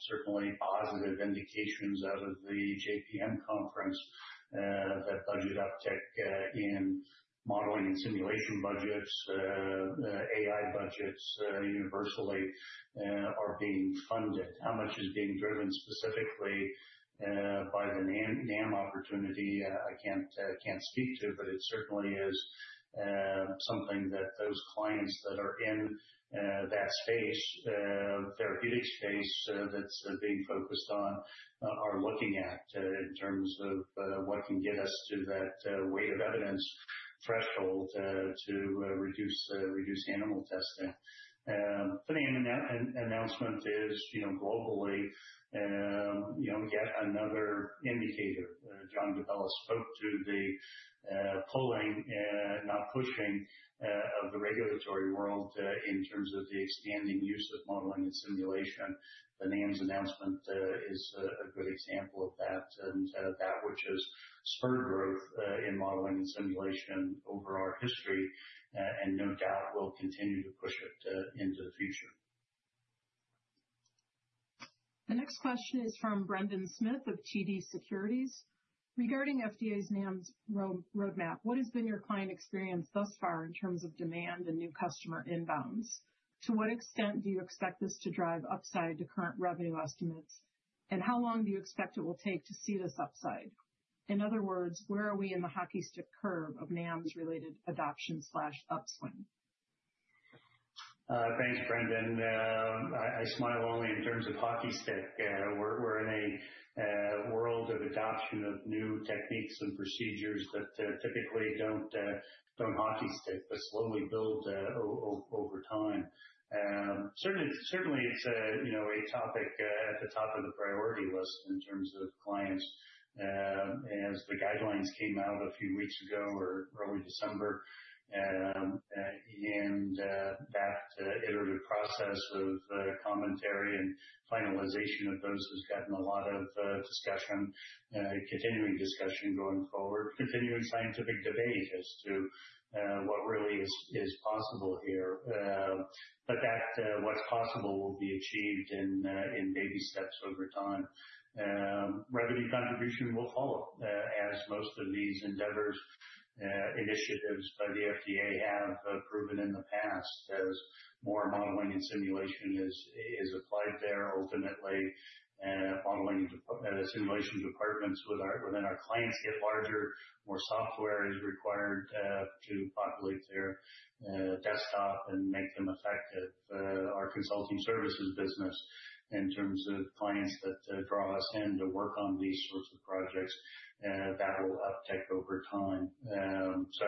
certainly positive indications out of the JPM conference that budget uptake in modeling and simulation budgets, AI budgets universally are being funded. How much is being driven specifically by the NAM opportunity, I can't speak to, but it certainly is something that those clients that are in that space, therapeutic space that's being focused on, are looking at in terms of what can get us to that weight of evidence threshold to reduce animal testing. But the announcement is, globally, yet another indicator. John DiBella spoke to the pulling, not pushing, of the regulatory world in terms of the expanding use of modeling and simulation. The NAMs announcement is a good example of that, and that which has spurred growth in modeling and simulation over our history and no doubt will continue to push it into the future. The next question is from Brendan Smith of TD Securities. Regarding FDA's NAMs roadmap, what has been your client experience thus far in terms of demand and new customer inbounds? To what extent do you expect this to drive upside to current revenue estimates? And how long do you expect it will take to see this upside? In other words, where are we in the hockey stick curve of NAMs-related adoption/upswing? Thanks, Brendan. I smile only in terms of hockey stick. We're in a world of adoption of new techniques and procedures that typically don't hockey stick, but slowly build over time. Certainly, it's a topic at the top of the priority list in terms of clients. As the guidelines came out a few weeks ago or early December, and that iterative process of commentary and finalization of those has gotten a lot of discussion, continuing discussion going forward, continuing scientific debate as to what really is possible here. But what's possible will be achieved in baby steps over time. Revenue contribution will follow, as most of these endeavors, initiatives by the FDA have proven in the past, as more modeling and simulation is applied there. Ultimately, modeling and simulation departments within our clients get larger. More software is required to populate their desktop and make them effective. Our consulting services business, in terms of clients that draw us in to work on these sorts of projects, that will uptick over time. So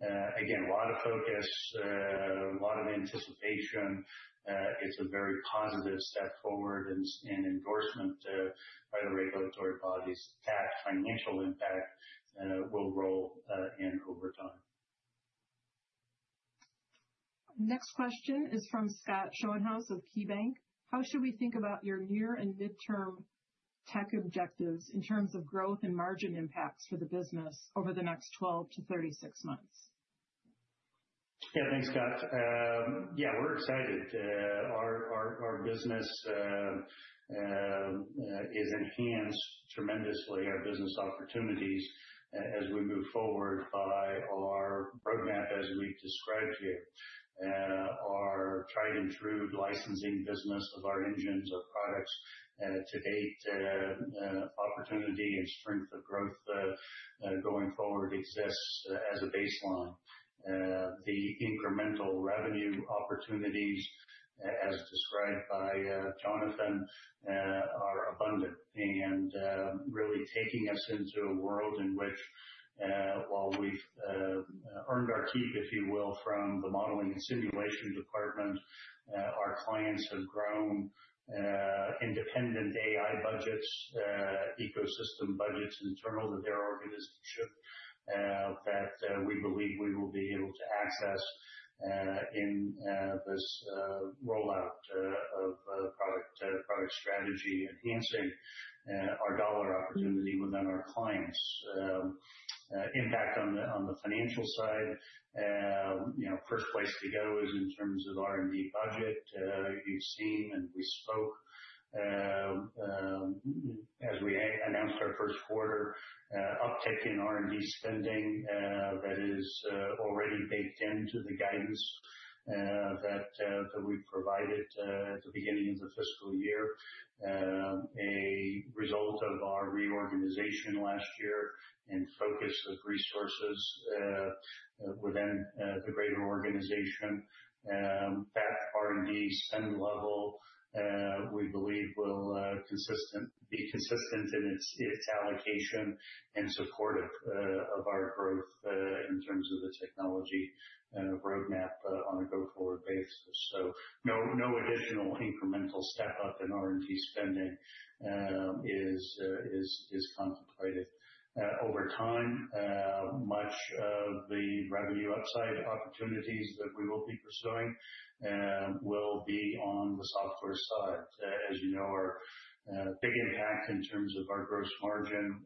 again, a lot of focus, a lot of anticipation. It's a very positive step forward and endorsement by the regulatory bodies. That financial impact will roll in over time. Next question is from Scott Schoenhaus of KeyBanc. How should we think about your near and midterm tech objectives in terms of growth and margin impacts for the business over the next 12 to 36 months? Yeah, thanks, Scott. Yeah, we're excited. Our business is enhanced tremendously, our business opportunities as we move forward by our roadmap, as we've described here, our tried-and-true licensing business of our engines, our products to date, opportunity and strength of growth going forward exists as a baseline. The incremental revenue opportunities, as described by Jonathan, are abundant and really taking us into a world in which, while we've earned our keep, if you will, from the modeling and simulation department, our clients have grown independent AI budgets, ecosystem budgets internal to their organization that we believe we will be able to access in this rollout of product strategy, enhancing our dollar opportunity within our clients. Impact on the financial side, first place to go is in terms of R&D budget. You've seen and we spoke, as we announced our first quarter uptick in R&D spending that is already baked into the guidance that we provided at the beginning of the fiscal year, a result of our reorganization last year and focus of resources within the greater organization. That R&D spend level, we believe, will be consistent in its allocation and supportive of our growth in terms of the technology roadmap on a go-forward basis. So no additional incremental step up in R&D spending is contemplated. Over time, much of the revenue upside opportunities that we will be pursuing will be on the software side. As you know, our big impact in terms of our gross margin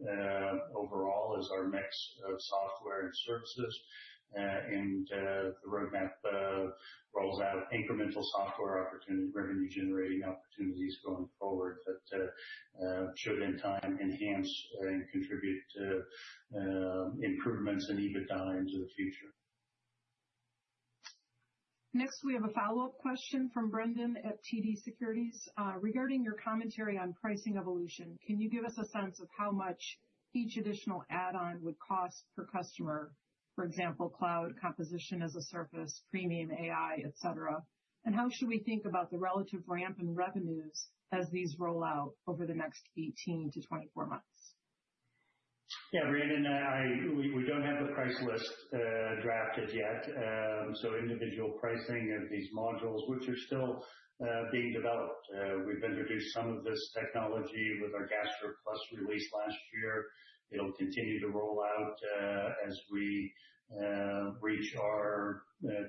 overall is our mix of software and services. The roadmap rolls out incremental software opportunity, revenue-generating opportunities going forward that should, in time, enhance and contribute to improvements and even dive into the future. Next, we have a follow-up question from Brendan at TD Securities. Regarding your commentary on pricing evolution, can you give us a sense of how much each additional add-on would cost per customer, for example, cloud, composition as a service, premium AI, etc.? and how should we think about the relative ramp in revenues as these roll out over the next 18-24 months? Yeah, Brendan, we don't have the price list drafted yet. So individual pricing of these modules, which are still being developed. We've introduced some of this technology with our GastroPlus release last year. It'll continue to roll out as we reach our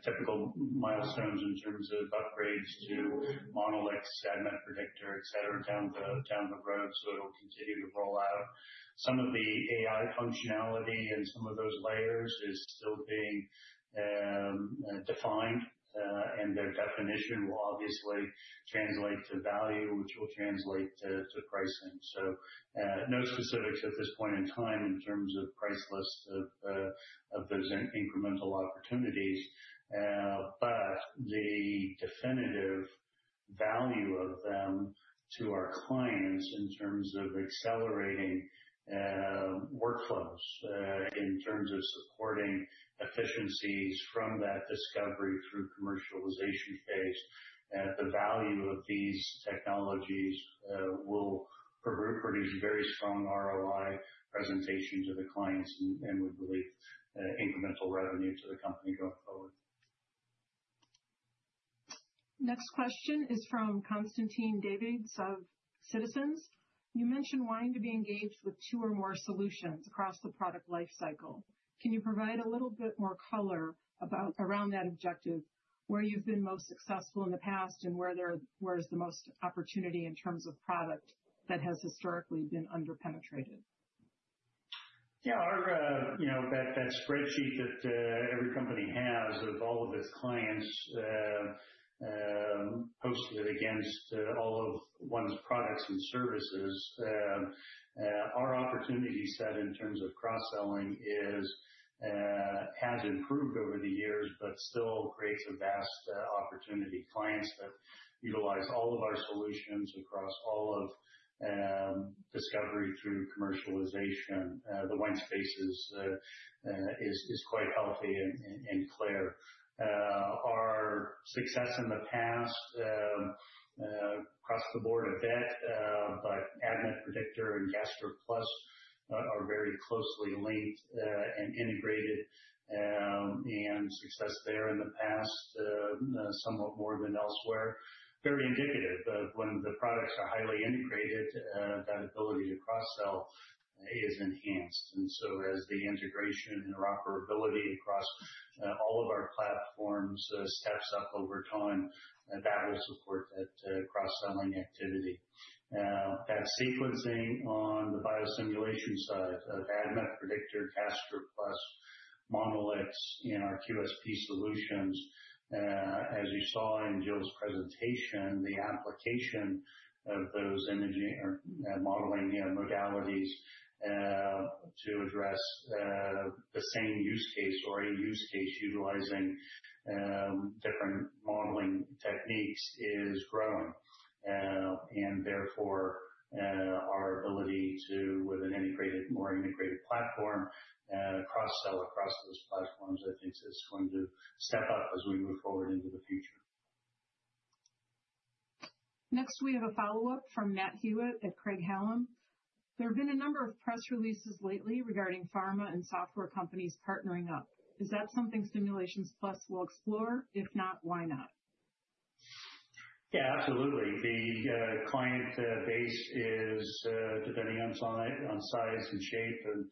typical milestones in terms of upgrades to Monolix, ADMET Predictor, etc., down the road. So it'll continue to roll out. Some of the AI functionality and some of those layers is still being defined, and their definition will obviously translate to value, which will translate to pricing. So no specifics at this point in time in terms of price list of those incremental opportunities. But the definitive value of them to our clients in terms of accelerating workflows, in terms of supporting efficiencies from that discovery through commercialization phase. The value of these technologies will produce very strong ROI presentation to the clients and would lead to incremental revenue to the company going forward. Next question is from Constantine Davides of Citizens JMP. You mentioned wanting to be engaged with two or more solutions across the product lifecycle. Can you provide a little bit more color around that objective, where you've been most successful in the past and where is the most opportunity in terms of product that has historically been underpenetrated? Yeah, that spreadsheet that every company has of all of its clients posted against all of one's products and services. Our opportunity set in terms of cross-selling has improved over the years, but still creates a vast opportunity. Clients that utilize all of our solutions across all of discovery through commercialization. The white space is quite healthy and clear. Our success in the past, across the board a bit, but ADMET Predictor and GastroPlus are very closely linked and integrated, and success there in the past, somewhat more than elsewhere. Very indicative of when the products are highly integrated, that ability to cross-sell is enhanced. And so as the integration and interoperability across all of our platforms steps up over time, that will support that cross-selling activity. That sequencing on the biosimulation side of ADMET Predictor, GastroPlus, Monolix, and our QSP solutions, as you saw in Jill's presentation, the application of those in silico or modeling modalities to address the same use case or a use case utilizing different modeling techniques is growing, and therefore, our ability to, with an integrated, more integrated platform, cross-sell across those platforms, I think is going to step up as we move forward into the future. Next, we have a follow-up from Matt Hewitt at Craig-Hallum. There have been a number of press releases lately regarding pharma and software companies partnering up. Is that something Simulations Plus will explore? If not, why not? Yeah, absolutely. The client base is, depending on size and shape and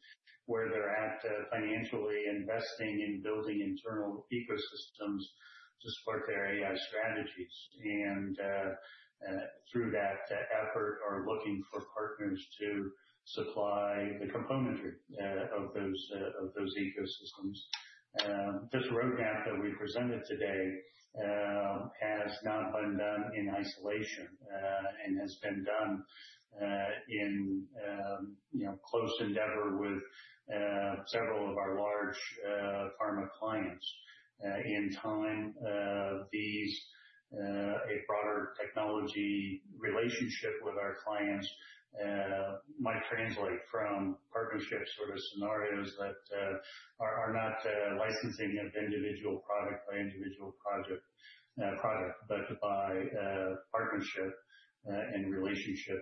where they're at financially, investing in building internal ecosystems to support their AI strategies. And through that effort, are looking for partners to supply the componentry of those ecosystems. This roadmap that we presented today has not been done in isolation and has been done in close endeavor with several of our large pharma clients. In time, a broader technology relationship with our clients might translate from partnership sort of scenarios that are not licensing of individual product by individual product, but by partnership and relationship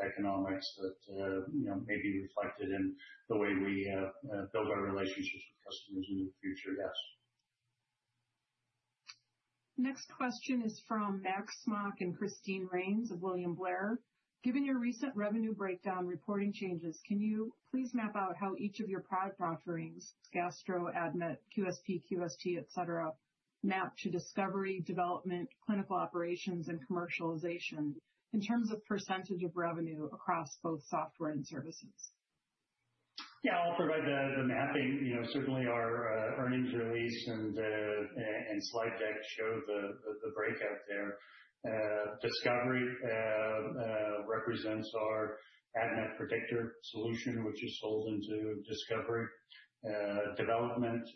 economics that may be reflected in the way we build our relationships with customers in the future, yes. Next question is from Max Smock and Christine Rains of William Blair. Given your recent revenue breakdown reporting changes, can you please map out how each of your product offerings, Gastro, ADMET, QSP, QST, etc., map to discovery, development, clinical operations, and commercialization in terms of percentage of revenue across both software and services? Yeah, I'll provide the mapping. Certainly, our earnings release and slide deck show the breakout there. Discovery represents our ADMET Predictor solution, which is sold into discovery. Development,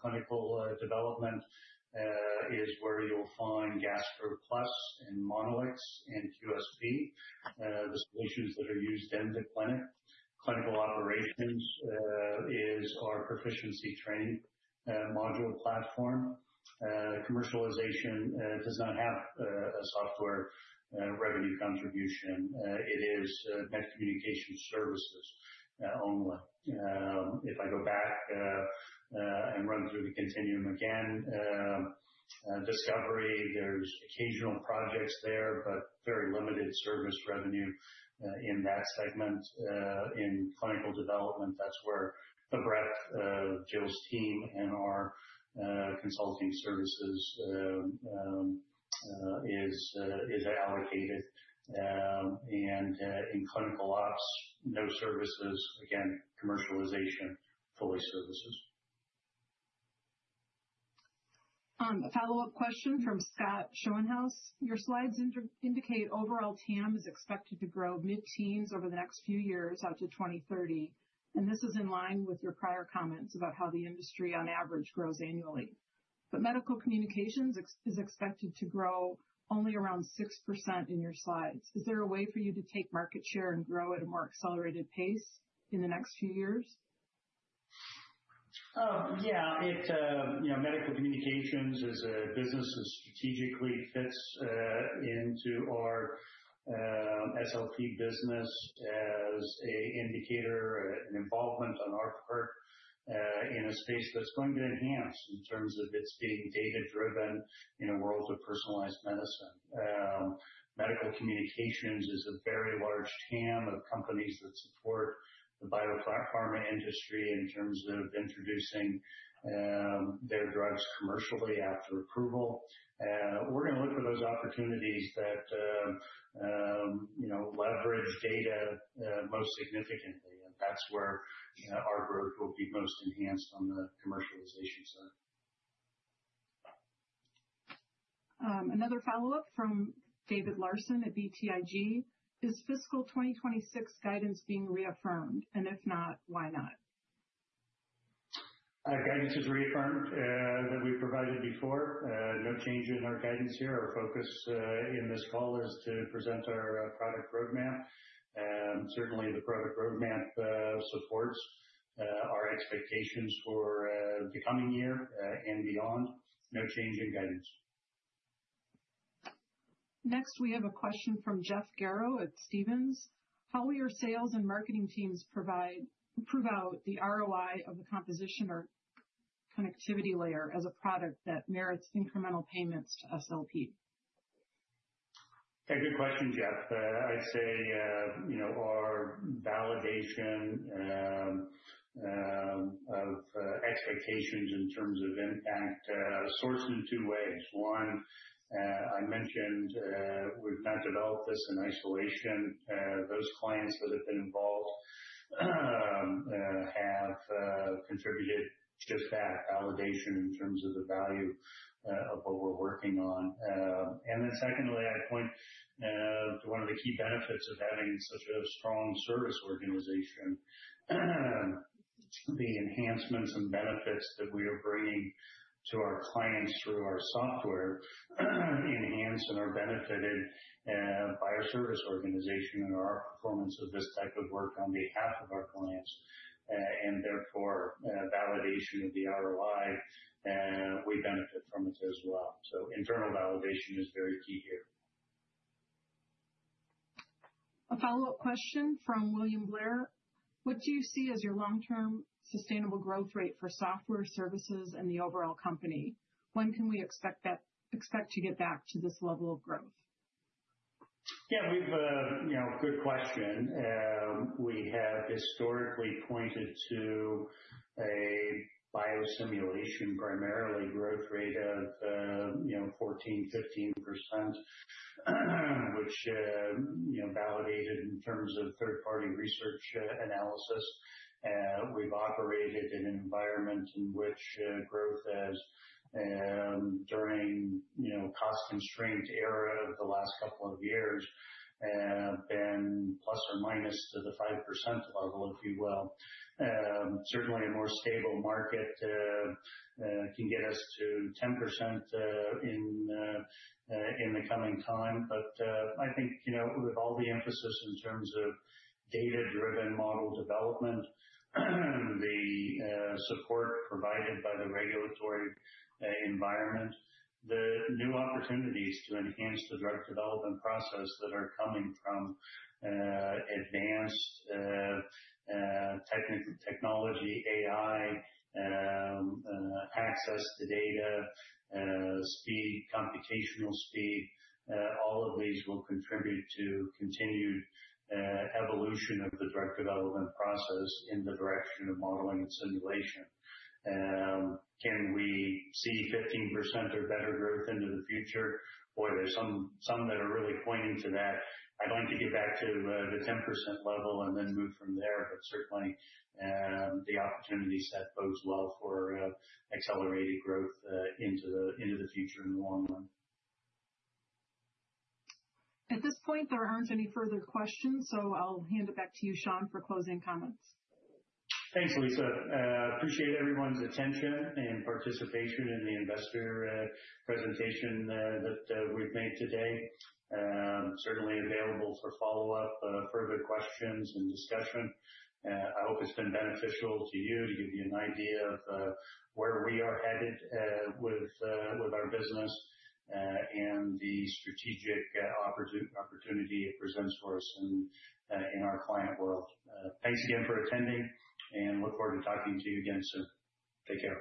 clinical development is where you'll find GastroPlus and Monolix and QSP, the solutions that are used in the clinic. Clinical operations is our Pro-ficiency training module platform. Commercialization does not have a software revenue contribution. It is net communication services only. If I go back and run through the continuum again, discovery, there's occasional projects there, but very limited service revenue in that segment. In clinical development, that's where the breadth of Jill's team and our consulting services is allocated. And in clinical ops, no services. Again, commercialization, fully services. A follow-up question from Scott Schoenhaus. Your slides indicate overall TAM is expected to grow mid-teens over the next few years out to 2030. And this is in line with your prior comments about how the industry on average grows annually. But medical communications is expected to grow only around 6% in your slides. Is there a way for you to take market share and grow at a more accelerated pace in the next few years? Yeah, medical communications is a business that strategically fits into our SLP business as an indicator, an involvement on our part in a space that's going to enhance in terms of its being data-driven in a world of personalized medicine. Medical communications is a very large TAM of companies that support the biopharma industry in terms of introducing their drugs commercially after approval. We're going to look for those opportunities that leverage data most significantly. And that's where our growth will be most enhanced on the commercialization side. Another follow-up from David Larsen at BTIG. Is fiscal 2026 guidance being reaffirmed, and if not, why not? Guidance is reaffirmed that we provided before. No change in our guidance here. Our focus in this call is to present our product roadmap. Certainly, the product roadmap supports our expectations for the coming year and beyond. No change in guidance. Next, we have a question from Jeff Garro at Stephens. How will your sales and marketing teams prove out the ROI of the composition or connectivity layer as a product that merits incremental payments to SLP? Good question, Jeff. I'd say our validation of expectations in terms of impact sources in two ways. One, I mentioned we've not developed this in isolation. Those clients that have been involved have contributed just that validation in terms of the value of what we're working on. And then secondly, I point to one of the key benefits of having such a strong service organization. The enhancements and benefits that we are bringing to our clients through our software enhance and are benefited by our service organization and our performance of this type of work on behalf of our clients. And therefore, validation of the ROI, we benefit from it as well. So internal validation is very key here. A follow-up question from William Blair. What do you see as your long-term sustainable growth rate for software services and the overall company? When can we expect to get back to this level of growth? Yeah, good question. We have historically pointed to a biosimulation primarily growth rate of 14%-15%, which validated in terms of third-party research analysis. We've operated in an environment in which growth has during cost-constrained era of the last couple of years been plus or minus to the 5% level, if you will. Certainly, a more stable market can get us to 10% in the coming time. But I think with all the emphasis in terms of data-driven model development, the support provided by the regulatory environment, the new opportunities to enhance the drug development process that are coming from advanced technical technology, AI, access to data, speed, computational speed, all of these will contribute to continued evolution of the drug development process in the direction of modeling and simulation. Can we see 15% or better growth into the future? Boy, there's some that are really pointing to that. I'd like to get back to the 10% level and then move from there, but certainly, the opportunity set bodes well for accelerated growth into the future in the long run. At this point, there aren't any further questions, so I'll hand it back to you, Shawn, for closing comments. Thanks, Lisa. Appreciate everyone's attention and participation in the investor presentation that we've made today. Certainly available for follow-up, further questions, and discussion. I hope it's been beneficial to you to give you an idea of where we are headed with our business and the strategic opportunity it presents for us in our client world. Thanks again for attending and look forward to talking to you again soon. Take care.